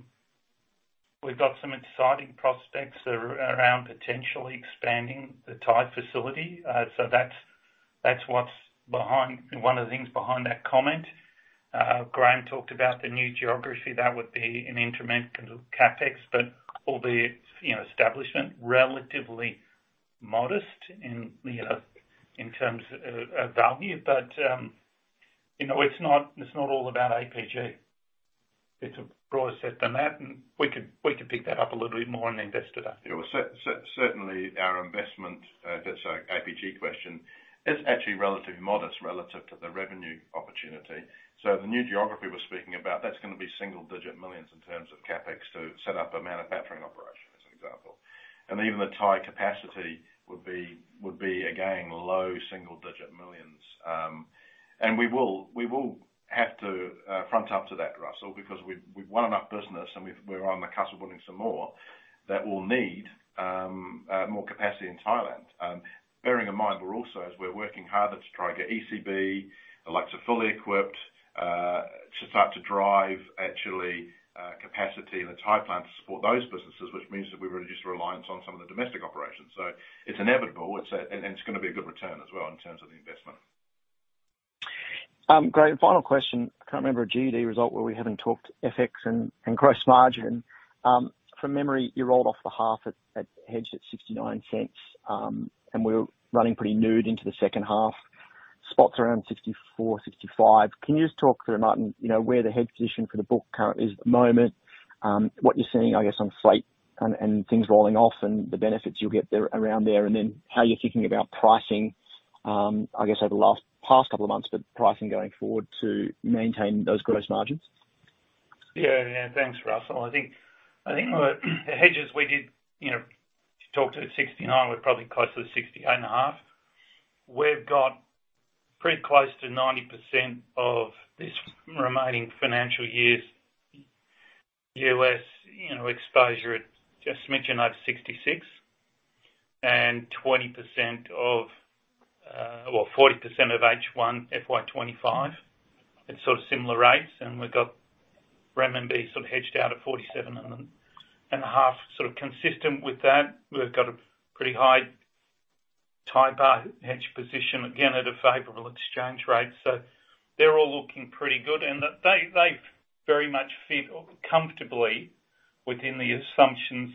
We've got some exciting prospects around potentially expanding the Thai facility. So that's what's behind, one of the things behind that comment. Graeme talked about the new geography, that would be an intermittent CapEx, but all the, you know, establishment, relatively modest in, you know, in terms, value. But, you know, it's not all about APG. It's a broader set than that, and we could pick that up a little bit more on Investor Day. Yeah, well, certainly our investment, if it's a APG question, is actually relatively modest relative to the revenue opportunity. So the new geography we're speaking about, that's gonna be GBP single-digit millions in terms of CapEx to set up a manufacturing operation, as an example. And even the Thai capacity would be, again, low single-digit millions. And we will have to front up to that, Russell, because we've won enough business and we're on the cusp of winning some more, that will need more capacity in Thailand. Bearing in mind, we're also, as we're working harder to try to get ECB, Electra fully equipped, to start to drive actually capacity in the Thai plant to support those businesses, which means that we reduce reliance on some of the domestic operations. So it's inevitable, and it's gonna be a good return as well, in terms of the investment. Great. Final question. I can't remember a GED result where we haven't talked FX and gross margin. From memory, you rolled off the half at hedge at $0.69, and we're running pretty nude into the second half. Spot's around $0.64-$0.65. Can you just talk through, Martin, you know, where the hedge position for the book currently is at the moment? What you're seeing, I guess, on freight and things rolling off, and the benefits you'll get there, around there, and then how you're thinking about pricing, I guess, over the last past couple of months, but pricing going forward to maintain those gross margins? Yeah, yeah. Thanks, Russell. I think, I think, the hedges we did, you know, to talk to $0.69, we're probably closer to $68.5 million We've got pretty close to 90% of this remaining financial year's US, you know, exposure at, just mentioned, over 66%, and 20% of, or 40% of H1 FY 2025 at sort of similar rates. And we've got RMB sort of hedged out at [$47.5 million]. Sort of consistent with that, we've got a pretty high Thai baht hedge position, again, at a favorable exchange rate. So they're all looking pretty good, and they, they very much fit comfortably within the assumptions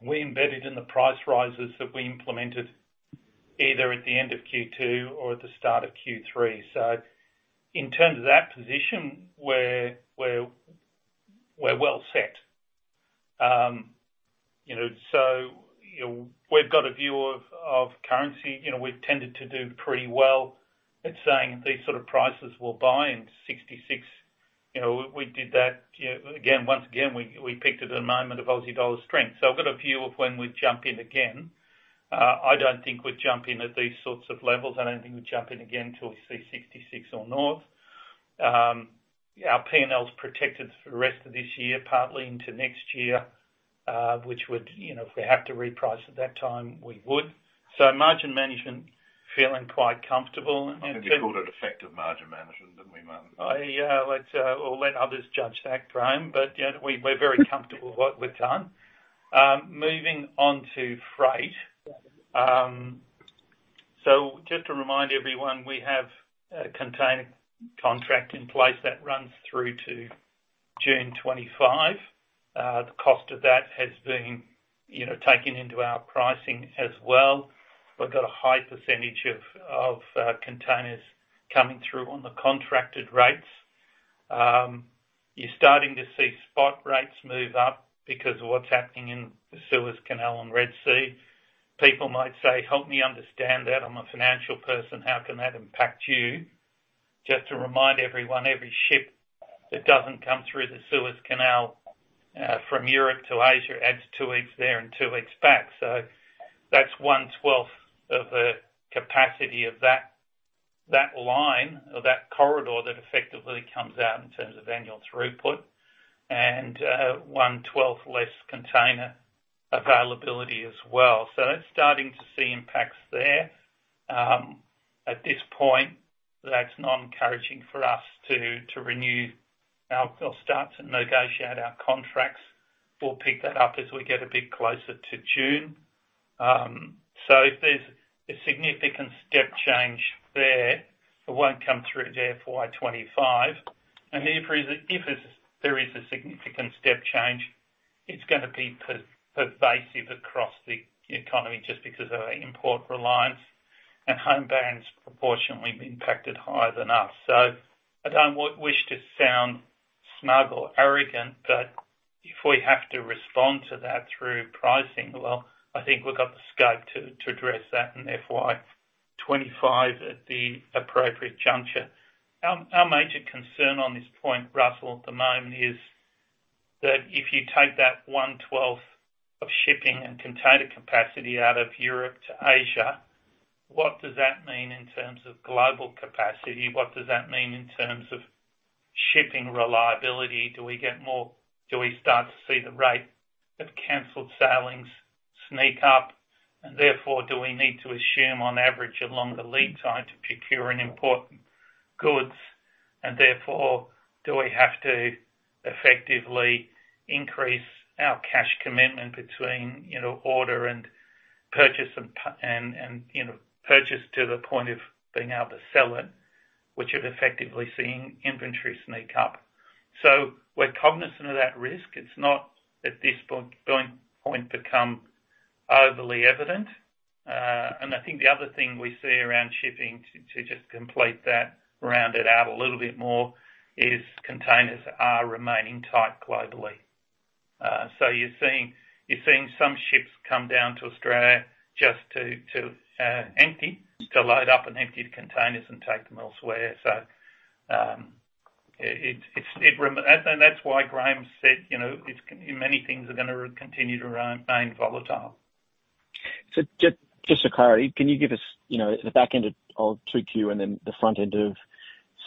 we embedded in the price rises that we implemented either at the end of Q2 or at the start of Q3. So in terms of that position, we're, we're, we're well set. You know, so, you know, we've got a view of, of currency. You know, we've tended to do pretty well at saying these sort of prices will buy, and 66, you know, we, we did that. You know, again, once again, we, we picked it at a moment of Aussie dollar strength. So I've got a view of when we'd jump in again. I don't think we'd jump in at these sorts of levels. I don't think we'd jump in again until we see 66% or north. Our P&L is protected for the rest of this year, partly into next year, which would. You know, if we have to reprice at that time, we would. So margin management, feeling quite comfortable, and- I think you called it effective margin management, didn't we, Martin? We'll let others judge that, Graeme, but, you know, we're very comfortable with what we've done. Moving on to freight. So just to remind everyone, we have a container contract in place that runs through to June 2025. The cost of that has been, you know, taken into our pricing as well. We've got a high percentage of containers coming through on the contracted rates. You're starting to see spot rates move up because of what's happening in the Suez Canal and Red Sea. People might say, "Help me understand that. I'm a financial person. How can that impact you?" Just to remind everyone, every ship that doesn't come through the Suez Canal from Europe to Asia adds two weeks there and two weeks back. So that's one twelfth of the capacity of that line or that corridor that effectively comes out in terms of annual throughput and one twelfth less container availability as well. So it's starting to see impacts there. At this point, that's not encouraging for us to renew our or start to negotiate our contracts. We'll pick that up as we get a bit closer to June. So if there's a significant step change there, it won't come through to FY 2025. And if there is a significant step change, it's gonna be pervasive across the economy just because of our import reliance, and home brands proportionately impacted higher than us. So I don't wish to sound smug or arrogant, but if we have to respond to that through pricing, well, I think we've got the scope to address that in FY 25 at the appropriate juncture. Our major concern on this point, Russell, at the moment, is that if you take that 1/12 of shipping and container capacity out of Europe to Asia, what does that mean in terms of global capacity? What does that mean in terms of shipping reliability? Do we get more - do we start to see the rate of canceled sailings sneak up? And therefore, do we need to assume, on average, a longer lead time to procure and import?. goods, and therefore, do we have to effectively increase our cash commitment between, you know, order and purchase and, you know, purchase to the point of being able to sell it, which is effectively seeing inventory sneak up? So we're cognizant of that risk. It's not at this point become overly evident. And I think the other thing we see around shipping to just complete that, round it out a little bit more, is containers are remaining tight globally. So you're seeing some ships come down to Australia just to empty, to load up and empty the containers and take them elsewhere. So, it's, and that's why Graeme said, you know, it's many things are gonna continue to remain volatile. So just for clarity, can you give us, you know, the back end of 2Q and then the front end of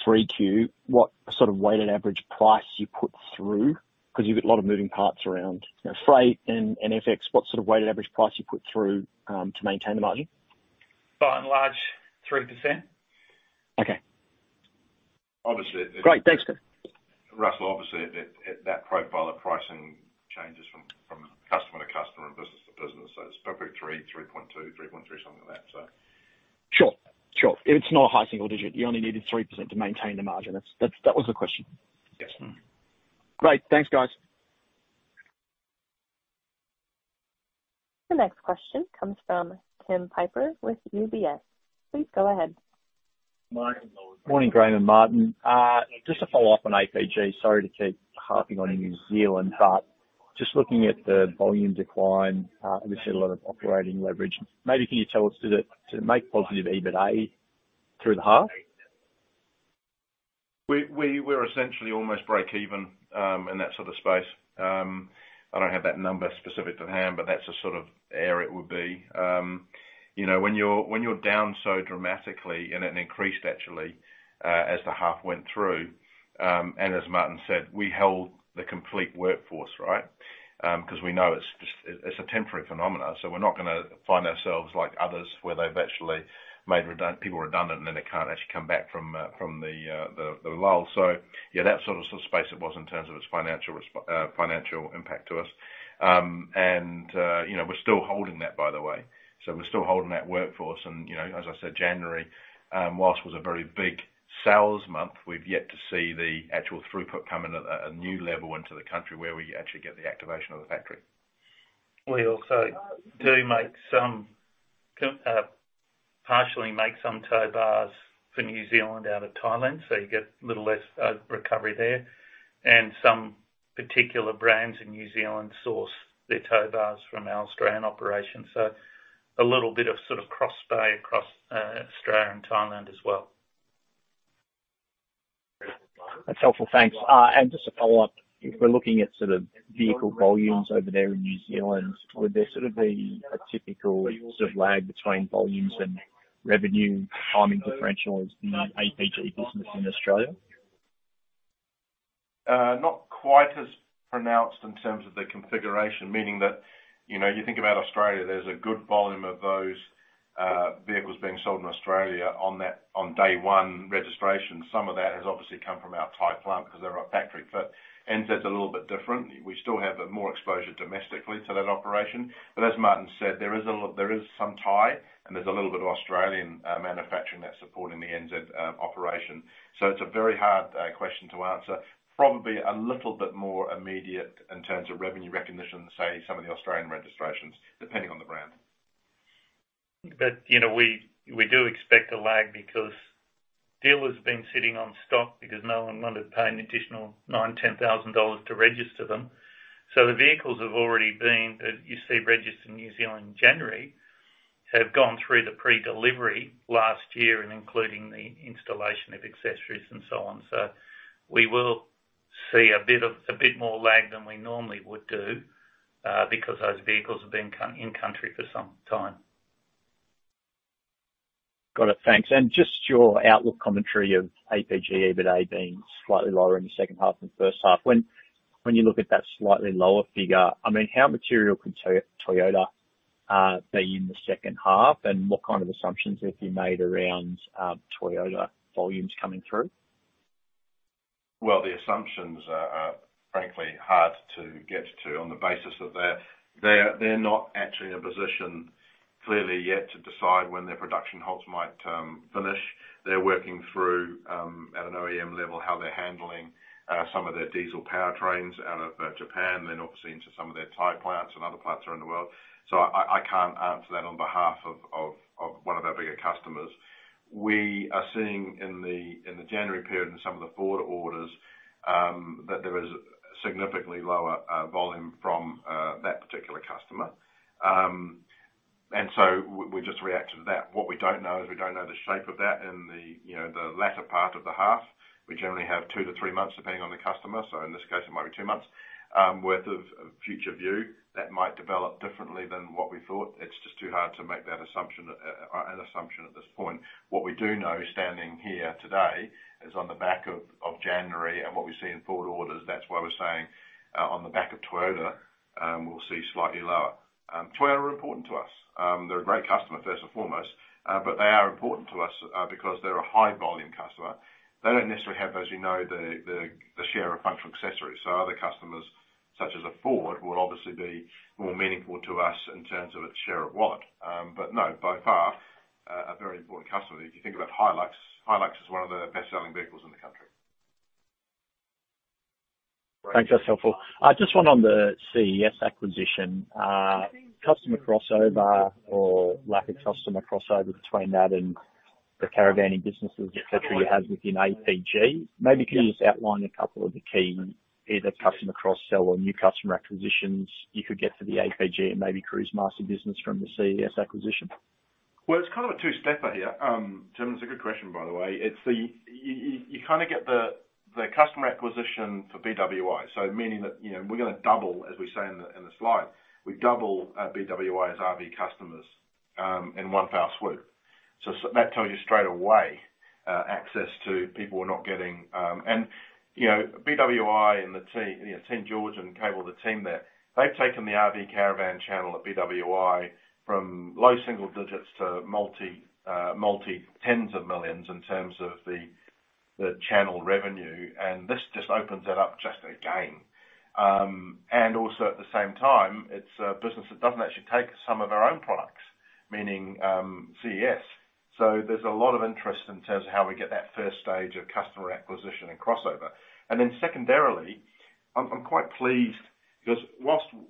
3Q, what sort of weighted average price you put through? 'Cause you've got a lot of moving parts around, you know, freight and FX. What sort of weighted average price you put through to maintain the margin? By and large, 3%. Okay. Great, thanks, sir. Russell, obviously, at that profile of pricing changes from customer to customer and business to business. So it's probably 3%, 3.2%, 3.3%, something like that, so. Sure. Sure. It's not a high single digit. You only needed 3% to maintain the margin. That's, that's, that was the question. Yes, mm-hmm. Great. Thanks, guys. The next question comes from Tim Piper with UBS. Please go ahead. Morning. Morning, Graeme and Martin. Just to follow up on APG, sorry to keep harping on New Zealand, but just looking at the volume decline, and we've seen a lot of operating leverage. Maybe can you tell us, does it make positive EBITDA through the half? We're essentially almost breakeven in that sort of space. I don't have that number specific to hand, but that's the sort of area it would be. You know, when you're down so dramatically, and it increased actually as the half went through, and as Martin said, we held the complete workforce, right? 'Cause we know it's just a temporary phenomenon, so we're not gonna find ourselves like others, where they've actually made people redundant, and then they can't actually come back from the lull. So yeah, that sort of space it was in terms of its financial impact to us. And you know, we're still holding that, by the way. We're still holding that workforce, and, you know, as I said, January, while was a very big sales month, we've yet to see the actual throughput come in at a new level into the country, where we actually get the activation of the factory. We also do make some partially make some tow bars for New Zealand out of Thailand, so you get a little less recovery there. Some particular brands in New Zealand source their tow bars from our Australian operation. So a little bit of sort of cross-buy across Australia and Thailand as well. That's helpful, thanks. And just a follow-up, if we're looking at sort of vehicle volumes over there in New Zealand, would there sort of be a typical sort of lag between volumes and revenue timing differential as the APG business in Australia? Not quite as pronounced in terms of the configuration, meaning that, you know, you think about Australia, there's a good volume of those vehicles being sold in Australia on that, on day one registration. Some of that has obviously come from our Thai plant, because they're a factory fit. NZ's a little bit different. We still have more exposure domestically to that operation, but as Martin said, there is some tie, and there's a little bit of Australian manufacturing that's supporting the NZ operation. So it's a very hard question to answer. Probably a little bit more immediate in terms of revenue recognition, than say, some of the Australian registrations, depending on the brand. You know, we, we do expect a lag because dealers have been sitting on stock, because no one wanted to pay an additional 9,000-10,000 dollars to register them. So the vehicles have already been, that you see registered in New Zealand in January, have gone through the pre-delivery last year, and including the installation of accessories and so on. So we will see a bit of, a bit more lag than we normally would do, because those vehicles have been in country for some time. Got it, thanks. And just your outlook commentary of APG, EBITDA being slightly lower in the second half than the first half. When you look at that slightly lower figure, I mean, how material can Toyota be in the second half, and what kind of assumptions have you made around Toyota volumes coming through? Well, the assumptions are frankly hard to get to on the basis that they're not actually in a position clearly yet to decide when their production halts might finish. They're working through at an OEM level, how they're handling some of their diesel powertrains out of Japan, then obviously into some of their Thai plants and other plants around the world. So I can't answer that on behalf of one of our bigger customers. We are seeing in the January period, in some of the forward orders, that there is significantly lower volume from that particular customer. And so we just reacted to that. What we don't know is we don't know the shape of that in the you know, the latter part of the half. We generally have 2 months-3 months, depending on the customer, so in this case it might be 2 months worth of future view. That might develop differently than what we thought. It's just too hard to make that assumption at this point. What we do know, standing here today, is on the back of January and what we see in forward orders, that's why we're saying on the back of Toyota, we'll see slightly lower. Toyota are important to us. They're a great customer, first and foremost, but they are important to us because they're a high volume customer. They don't necessarily have, as you know, the share of functional accessories, so other customers such as Ford will obviously be more meaningful to us in terms of its share of wallet. But no, by far, a very important customer. If you think about Hilux, Hilux is one of the best-selling vehicles in the country. Thanks. That's helpful. I just want on the CES acquisition, customer crossover or lack of customer crossover between that and the caravanning businesses, et cetera, you have within APG. Maybe can you just outline a couple of the key, either customer cross-sell or new customer acquisitions you could get for the APG and maybe Cruisemaster business from the CES acquisition? Well, it's kind of a two-stepper here. Tim, it's a good question, by the way. You kind of get the customer acquisition for BWI. So meaning that, you know, we're gonna double, as we say in the slide, we double BWI's RV customers in one fell swoop. So that tells you straight away access to people we're not getting. And, you know, BWI and the team, you know, St. George and Cable, the team there, they've taken the RV caravan channel at BWI from low single digits to multi-tens of millions in terms of the channel revenue, and this just opens it up just again. And also, at the same time, it's a business that doesn't actually take some of our own products, meaning CES. So there's a lot of interest in terms of how we get that first stage of customer acquisition and crossover. And then secondarily, I'm quite pleased, because whilst we're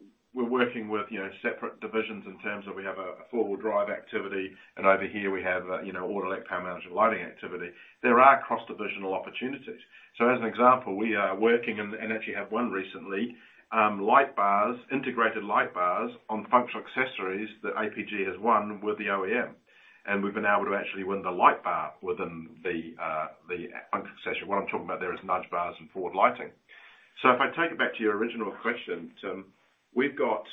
working with, you know, separate divisions in terms of we have a four-wheel drive activity, and over here we have, you know, auto electric power management lighting activity, there are cross-divisional opportunities. So as an example, we are working, and actually have won recently, light bars, integrated light bars on functional accessories that APG has won with the OEM. And we've been able to actually win the light bar within the, the functional accessory. What I'm talking about there is nudge bars and forward lighting. So if I take it back to your original question, Tim, we've got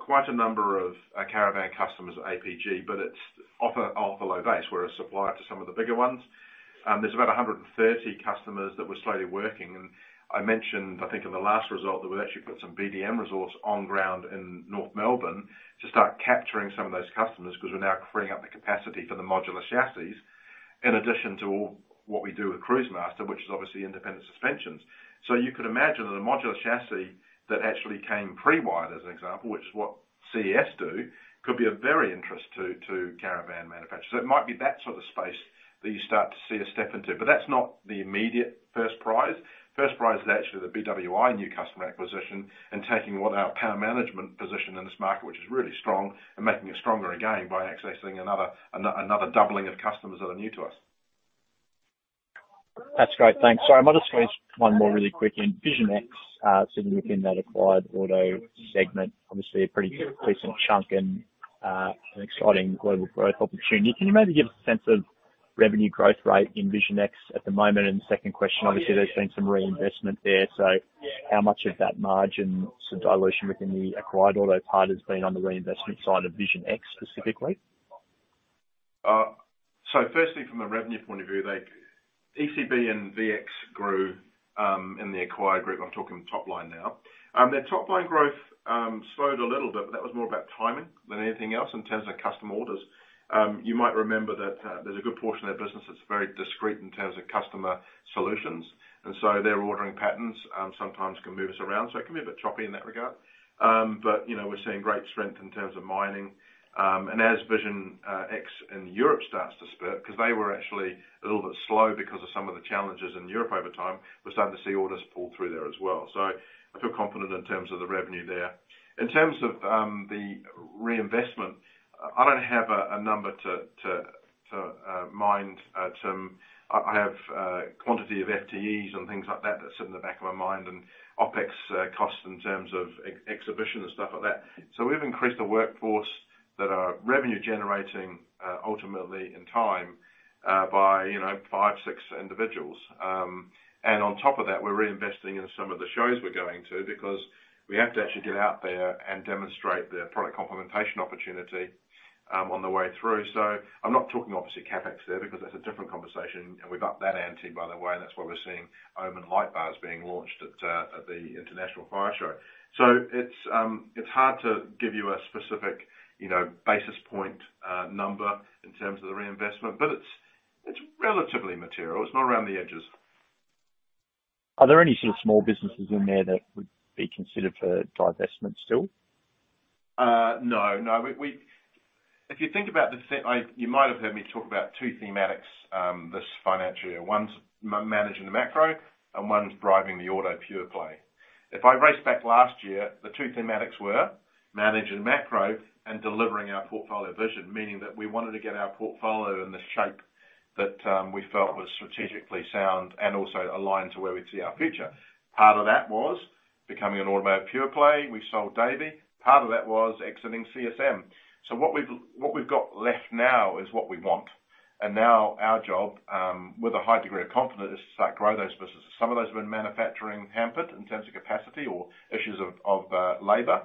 quite a number of caravan customers at APG, but it's off a low base. We're a supplier to some of the bigger ones. There's about 130 customers that we're slowly working, and I mentioned, I think in the last result, that we've actually put some BDM resource on ground in North Melbourne to start capturing some of those customers, 'cause we're now freeing up the capacity for the modular chassis, in addition to all what we do with Cruisemaster, which is obviously independent suspensions. So you could imagine that a modular chassis that actually came pre-wired, as an example, which is what CES do, could be of very interest to caravan manufacturers. It might be that sort of space that you start to see us step into, but that's not the immediate first prize. First prize is actually the BWI new customer acquisition, and taking what our power management position in this market, which is really strong, and making it stronger again by accessing another doubling of customers that are new to us. That's great. Thanks. Sorry, might I just squeeze one more really quick? In Vision X, sitting within that acquired auto segment, obviously a pretty decent chunk and, an exciting global growth opportunity. Can you maybe give a sense of revenue growth rate in Vision X at the moment? And the second question, obviously, there's been some reinvestment there, so how much of that margin dilution within the acquired auto part has been on the reinvestment side of Vision X, specifically? So firstly, from a revenue point of view, they. ECB and VX grew in the acquired group. I'm talking top line now. Their top-line growth slowed a little bit, but that was more about timing than anything else in terms of customer orders. You might remember that, there's a good portion of their business that's very discreet in terms of customer solutions, and so their ordering patterns sometimes can move us around, so it can be a bit choppy in that regard. But, you know, we're seeing great strength in terms of mining. And as Vision X in Europe starts to spurt, 'cause they were actually a little bit slow because of some of the challenges in Europe over time, we're starting to see orders pull through there as well. So I feel confident in terms of the revenue there. In terms of the reinvestment, I don't have a number in mind, Tim. I have quantity of FTEs and things like that, that sit in the back of my mind, and OpEx costs in terms of exhibition and stuff like that. So we've increased the workforce that are revenue generating, ultimately in time, by, you know, five, six individuals. And on top of that, we're reinvesting in some of the shows we're going to, because we have to actually get out there and demonstrate the product complementation opportunity, on the way through. So I'm not talking obviously CapEx there, because that's a different conversation, and we've upped that ante, by the way, and that's why we're seeing Omen light bars being launched at the International Fire Show. So it's hard to give you a specific, you know, basis point number in terms of the reinvestment, but it's relatively material. It's not around the edges. Are there any sort of small businesses in there that would be considered for divestment still? No. No, we. If you think about the. You might have heard me talk about two thematics this financial year. One's managing the macro, and one's driving the auto pure play. If I go back last year, the two thematics were managing macro and delivering our portfolio vision, meaning that we wanted to get our portfolio in the shape that we felt was strategically sound and also aligned to where we see our future. Part of that was becoming an automotive pure play. We sold Davey. Part of that was exiting CSM. So what we've got left now is what we want, and now our job, with a high degree of confidence, is to start grow those businesses. Some of those have been hampered in manufacturing in terms of capacity or issues of labor.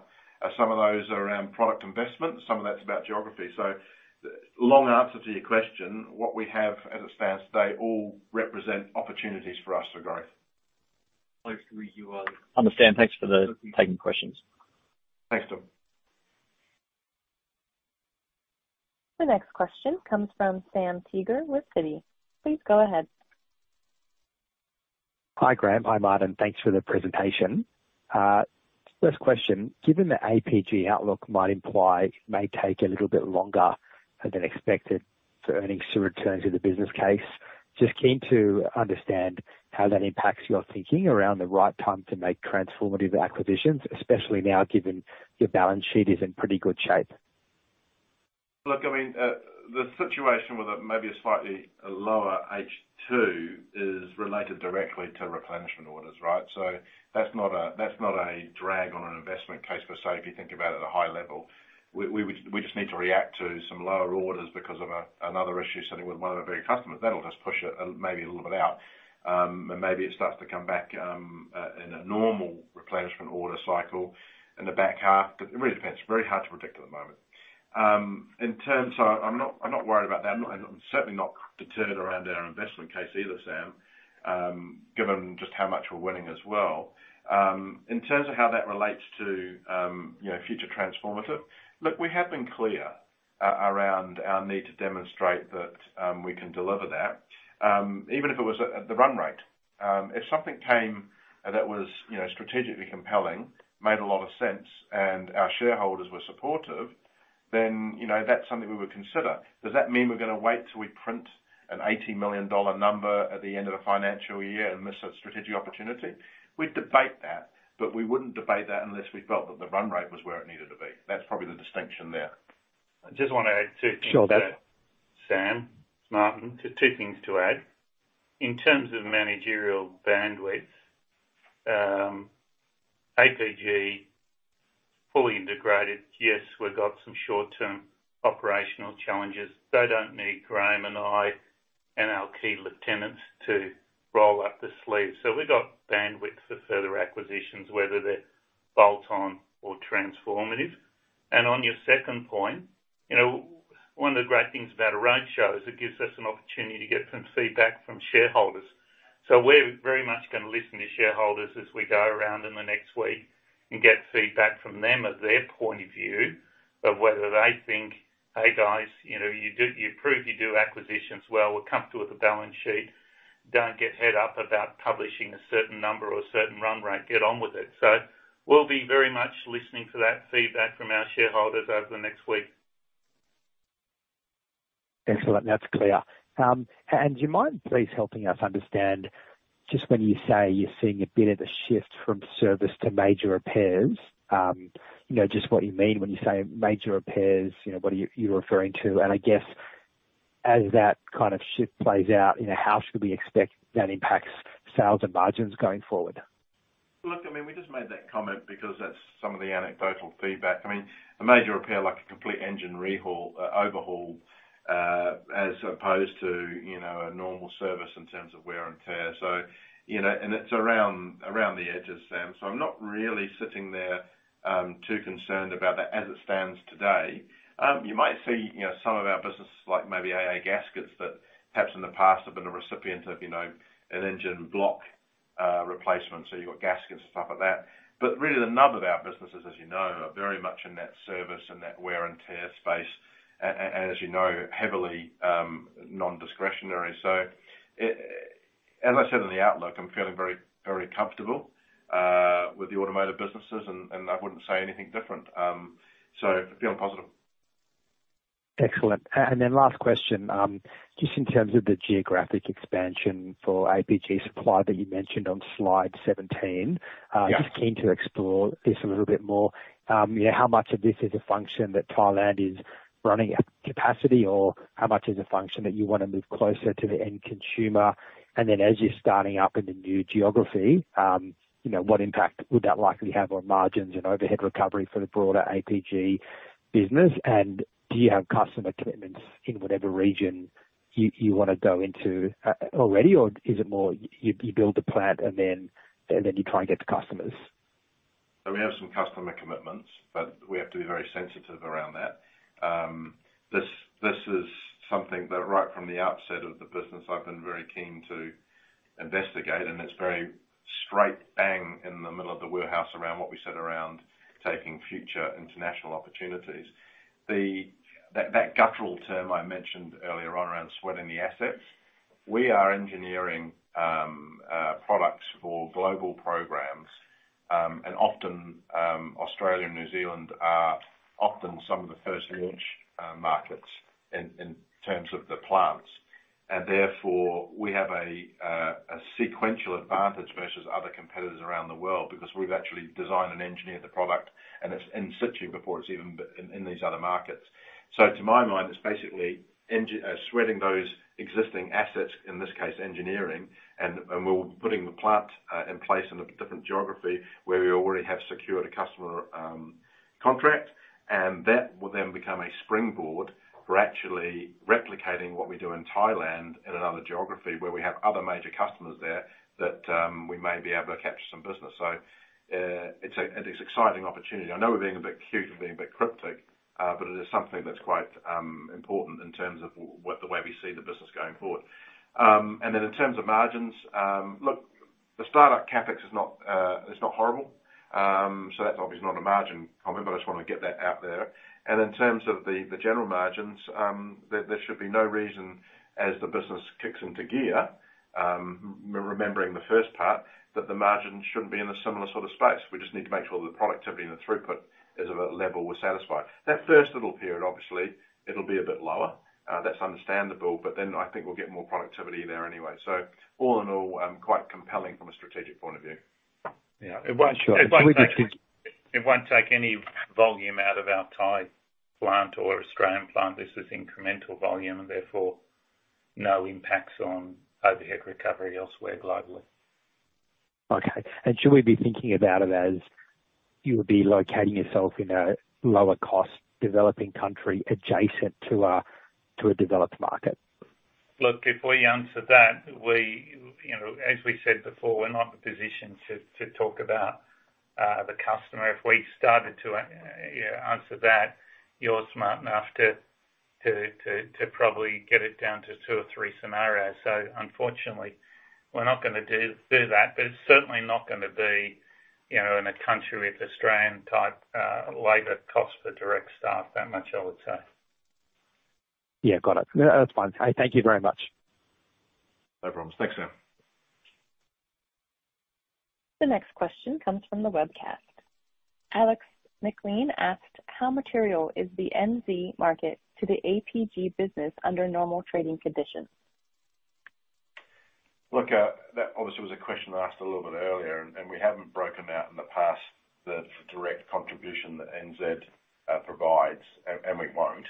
Some of those are around product investment, some of that's about geography. So long answer to your question, what we have as it stands today, all represent opportunities for us for growth. Understood. Thanks for taking questions. Thanks, Tim. The next question comes from Sam Teeger with Citi. Please go ahead. Hi, Graeme. Hi, Martin. Thanks for the presentation. First question, given the APG outlook might imply it may take a little bit longer than expected for earnings to return to the business case, just keen to understand how that impacts your thinking around the right time to make transformative acquisitions, especially now, given your balance sheet is in pretty good shape. Look, I mean, the situation with maybe a slightly lower H2 is related directly to replenishment orders, right? So that's not a drag on an investment case per se, if you think about it at a high level. We just need to react to some lower orders because of another issue sitting with one of our very customers. That'll just push it, maybe a little bit out, and maybe it starts to come back in a normal replenishment order cycle in the back half. But it really depends. It's very hard to predict at the moment. I'm not worried about that, and I'm certainly not deterred around our investment case either, Sam, given just how much we're winning as well. In terms of how that relates to, you know, future transformative, look, we have been clear around our need to demonstrate that we can deliver that. Even if it was at the run rate, if something came that was, you know, strategically compelling, made a lot of sense, and our shareholders were supportive, then, you know, that's something we would consider. Does that mean we're gonna wait till we print an $80 million number at the end of the financial year and miss a strategic opportunity? We'd debate that, but we wouldn't debate that unless we felt that the run rate was where it needed to be. That's probably the distinction there. I just wanna add two things to that, Sam, it's Martin. Just two things to add. In terms of managerial bandwidth, APG, fully integrated, yes, we've got some short-term operational challenges. They don't need Graeme and I and our key lieutenants to roll up the sleeves. So we've got bandwidth for further acquisitions, whether they're bolt-on or transformative. And on your second point, you know, one of the great things about a roadshow is it gives us an opportunity to get some feedback from shareholders. So we're very much gonna listen to shareholders as we go around in the next week and get feedback from them of their point of view of whether they think, "Hey, guys, you know, you do- you've proved you do acquisitions well. We're comfortable with the balance sheet. Don't get head up about publishing a certain number or a certain run rate. “Get on with it.” So we'll be very much listening to that feedback from our shareholders over the next week. Excellent. That's clear. Do you mind please helping us understand, just when you say you're seeing a bit of a shift from service to major repairs, you know, just what you mean when you say major repairs, you know, what are you, you referring to? I guess, as that kind of shift plays out, you know, how should we expect that impacts sales and margins going forward? Look, I mean, we just made that comment because that's some of the anecdotal feedback. I mean, a major repair, like a complete engine overhaul, as opposed to, you know, a normal service in terms of wear and tear. So, you know, and it's around, around the edges, Sam. So I'm not really sitting there, too concerned about that as it stands today. You might see, you know, some of our businesses, like maybe AA Gaskets, that perhaps in the past have been a recipient of, you know, an engine block replacement, so you've got gaskets and stuff like that. But really the nub of our businesses, as you know, are very much in that service and that wear and tear space, and as you know, heavily, non-discretionary. So as I said in the outlook, I'm feeling very, very comfortable with the automotive businesses, and, and I wouldn't say anything different. So feeling positive. Excellent. And then last question, just in terms of the geographic expansion for APG Supply that you mentioned on slide 17? Yeah. Just keen to explore this a little bit more. You know, how much of this is a function that Thailand is running at capacity, or how much is a function that you wanna move closer to the end consumer? And then as you're starting up in the new geography, you know, what impact would that likely have on margins and overhead recovery for the broader APG business? And do you have customer commitments in whatever region you you wanna go into, already, or is it more you build the plant and then, and then you try and get the customers? So we have some customer commitments, but we have to be very sensitive around that. This, this is something that, right from the outset of the business, I've been very keen to investigate, and it's very straight bang in the middle of the wheelhouse around what we said around taking future international opportunities. That, that guttural term I mentioned earlier on around sweating the assets, we are engineering products for global programs, and often, Australia and New Zealand are often some of the first launch markets in, in terms of the plants. And therefore, we have a, a sequential advantage versus other competitors around the world because we've actually designed and engineered the product, and it's in situ before it's even in, in these other markets. So to my mind, it's basically engineering, sweating those existing assets, in this case, engineering, and we're putting the plant in place in a different geography, where we already have secured a customer contract, and that will then become a springboard for actually replicating what we do in Thailand in another geography, where we have other major customers there that we may be able to capture some business. So, it's an exciting opportunity. I know we're being a bit cute and being a bit cryptic, but it is something that's quite important in terms of what, the way we see the business going forward. And then in terms of margins, the startup CapEx is not, it's not horrible. So that's obviously not a margin comment, but I just wanna get that out there. In terms of the general margins, there should be no reason as the business kicks into gear, remembering the first part, that the margins shouldn't be in a similar sort of space. We just need to make sure that the productivity and the throughput is of a level we're satisfied. That first little period, obviously, it'll be a bit lower. That's understandable, but then I think we'll get more productivity there anyway. So all in all, quite compelling from a strategic point of view. Yeah, it won't take any volume out of our Thai plant or Australian plant. This is incremental volume and therefore, no impacts on overhead recovery elsewhere globally. Okay. And should we be thinking about it as you would be locating yourself in a lower cost developing country adjacent to a developed market? Look, if we answer that, we, you know, as we said before, we're not in a position to talk about the customer. If we started to, you know, answer that, you're smart enough to probably get it down to two or three scenarios. So unfortunately, we're not gonna do that, but it's certainly not gonna be, you know, in a country with Australian type labor cost for direct staff. That much I would say. Yeah, got it. No, that's fine. Thank you very much. No problems. Thanks, Sam. The next question comes from the webcast. Alex McLean asked: How material is the NZ market to the APG business under normal trading conditions? Look, that obviously was a question asked a little bit earlier, and we haven't broken out in the past, the direct contribution that NZ provides, and we won't.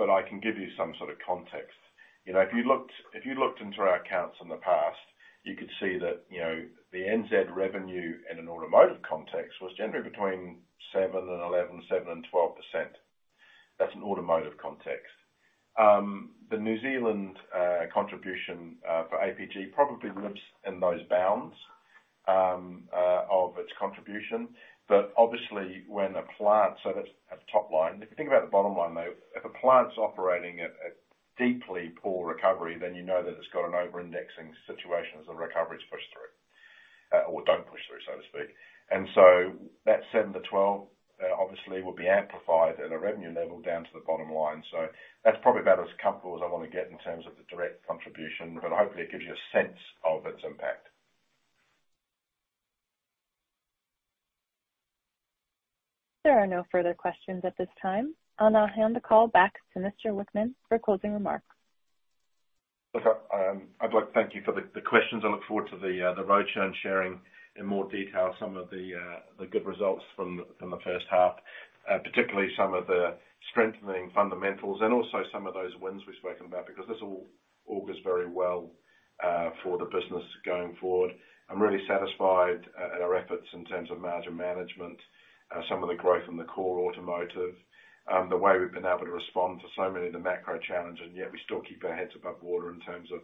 But I can give you some sort of context. You know, if you looked into our accounts in the past, you could see that, you know, the NZ revenue in an automotive context was generally between 7% and 11%, 7% and 12%. That's an automotive context. The New Zealand contribution for APG probably lives in those bounds of its contribution. But obviously, when a plant. So that's at the top line. If you think about the bottom line, though, if a plant's operating at deeply poor recovery, then you know that it's got an over-indexing situation as the recovery is pushed through, or don't push through, so to speak. And so that 7%-12%, obviously, will be amplified at a revenue level down to the bottom line. So that's probably about as comfortable as I wanna get in terms of the direct contribution, but hopefully it gives you a sense of its impact. There are no further questions at this time. I'll now hand the call back to Mr. Whickman for closing remarks. Look, I'd like to thank you for the questions. I look forward to the roadshow and sharing in more detail some of the good results from the first half, particularly some of the strengthening fundamentals and also some of those wins we've spoken about, because this all augurs very well for the business going forward. I'm really satisfied at our efforts in terms of margin management, some of the growth in the core automotive, the way we've been able to respond to so many of the macro challenges, and yet we still keep our heads above water in terms of,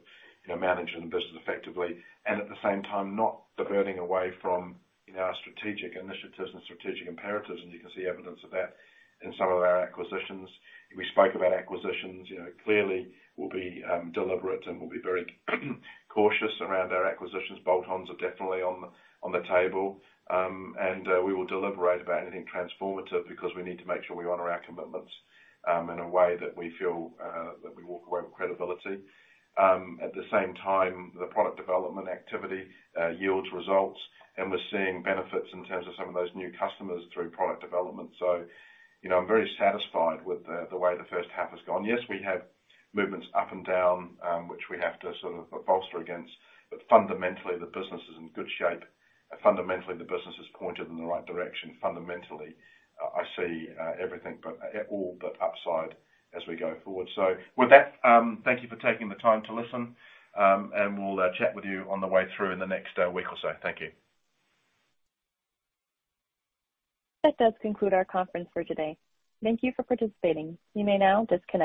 you know, managing the business effectively, and at the same time, not diverting away from, you know, our strategic initiatives and strategic imperatives. You can see evidence of that in some of our acquisitions. We spoke about acquisitions. You know, clearly, we'll be deliberate and we'll be very cautious around our acquisitions. Bolt-ons are definitely on the table. And we will deliberate about anything transformative because we need to make sure we honor our commitments in a way that we feel that we walk away with credibility. At the same time, the product development activity yields results, and we're seeing benefits in terms of some of those new customers through product development. So, you know, I'm very satisfied with the way the first half has gone. Yes, we have movements up and down, which we have to sort of bolster against, but fundamentally, the business is in good shape, and fundamentally, the business is pointed in the right direction. Fundamentally, I see all but upside as we go forward. So with that, thank you for taking the time to listen, and we'll chat with you on the way through in the next week or so. Thank you. That does conclude our conference for today. Thank you for participating. You may now disconnect.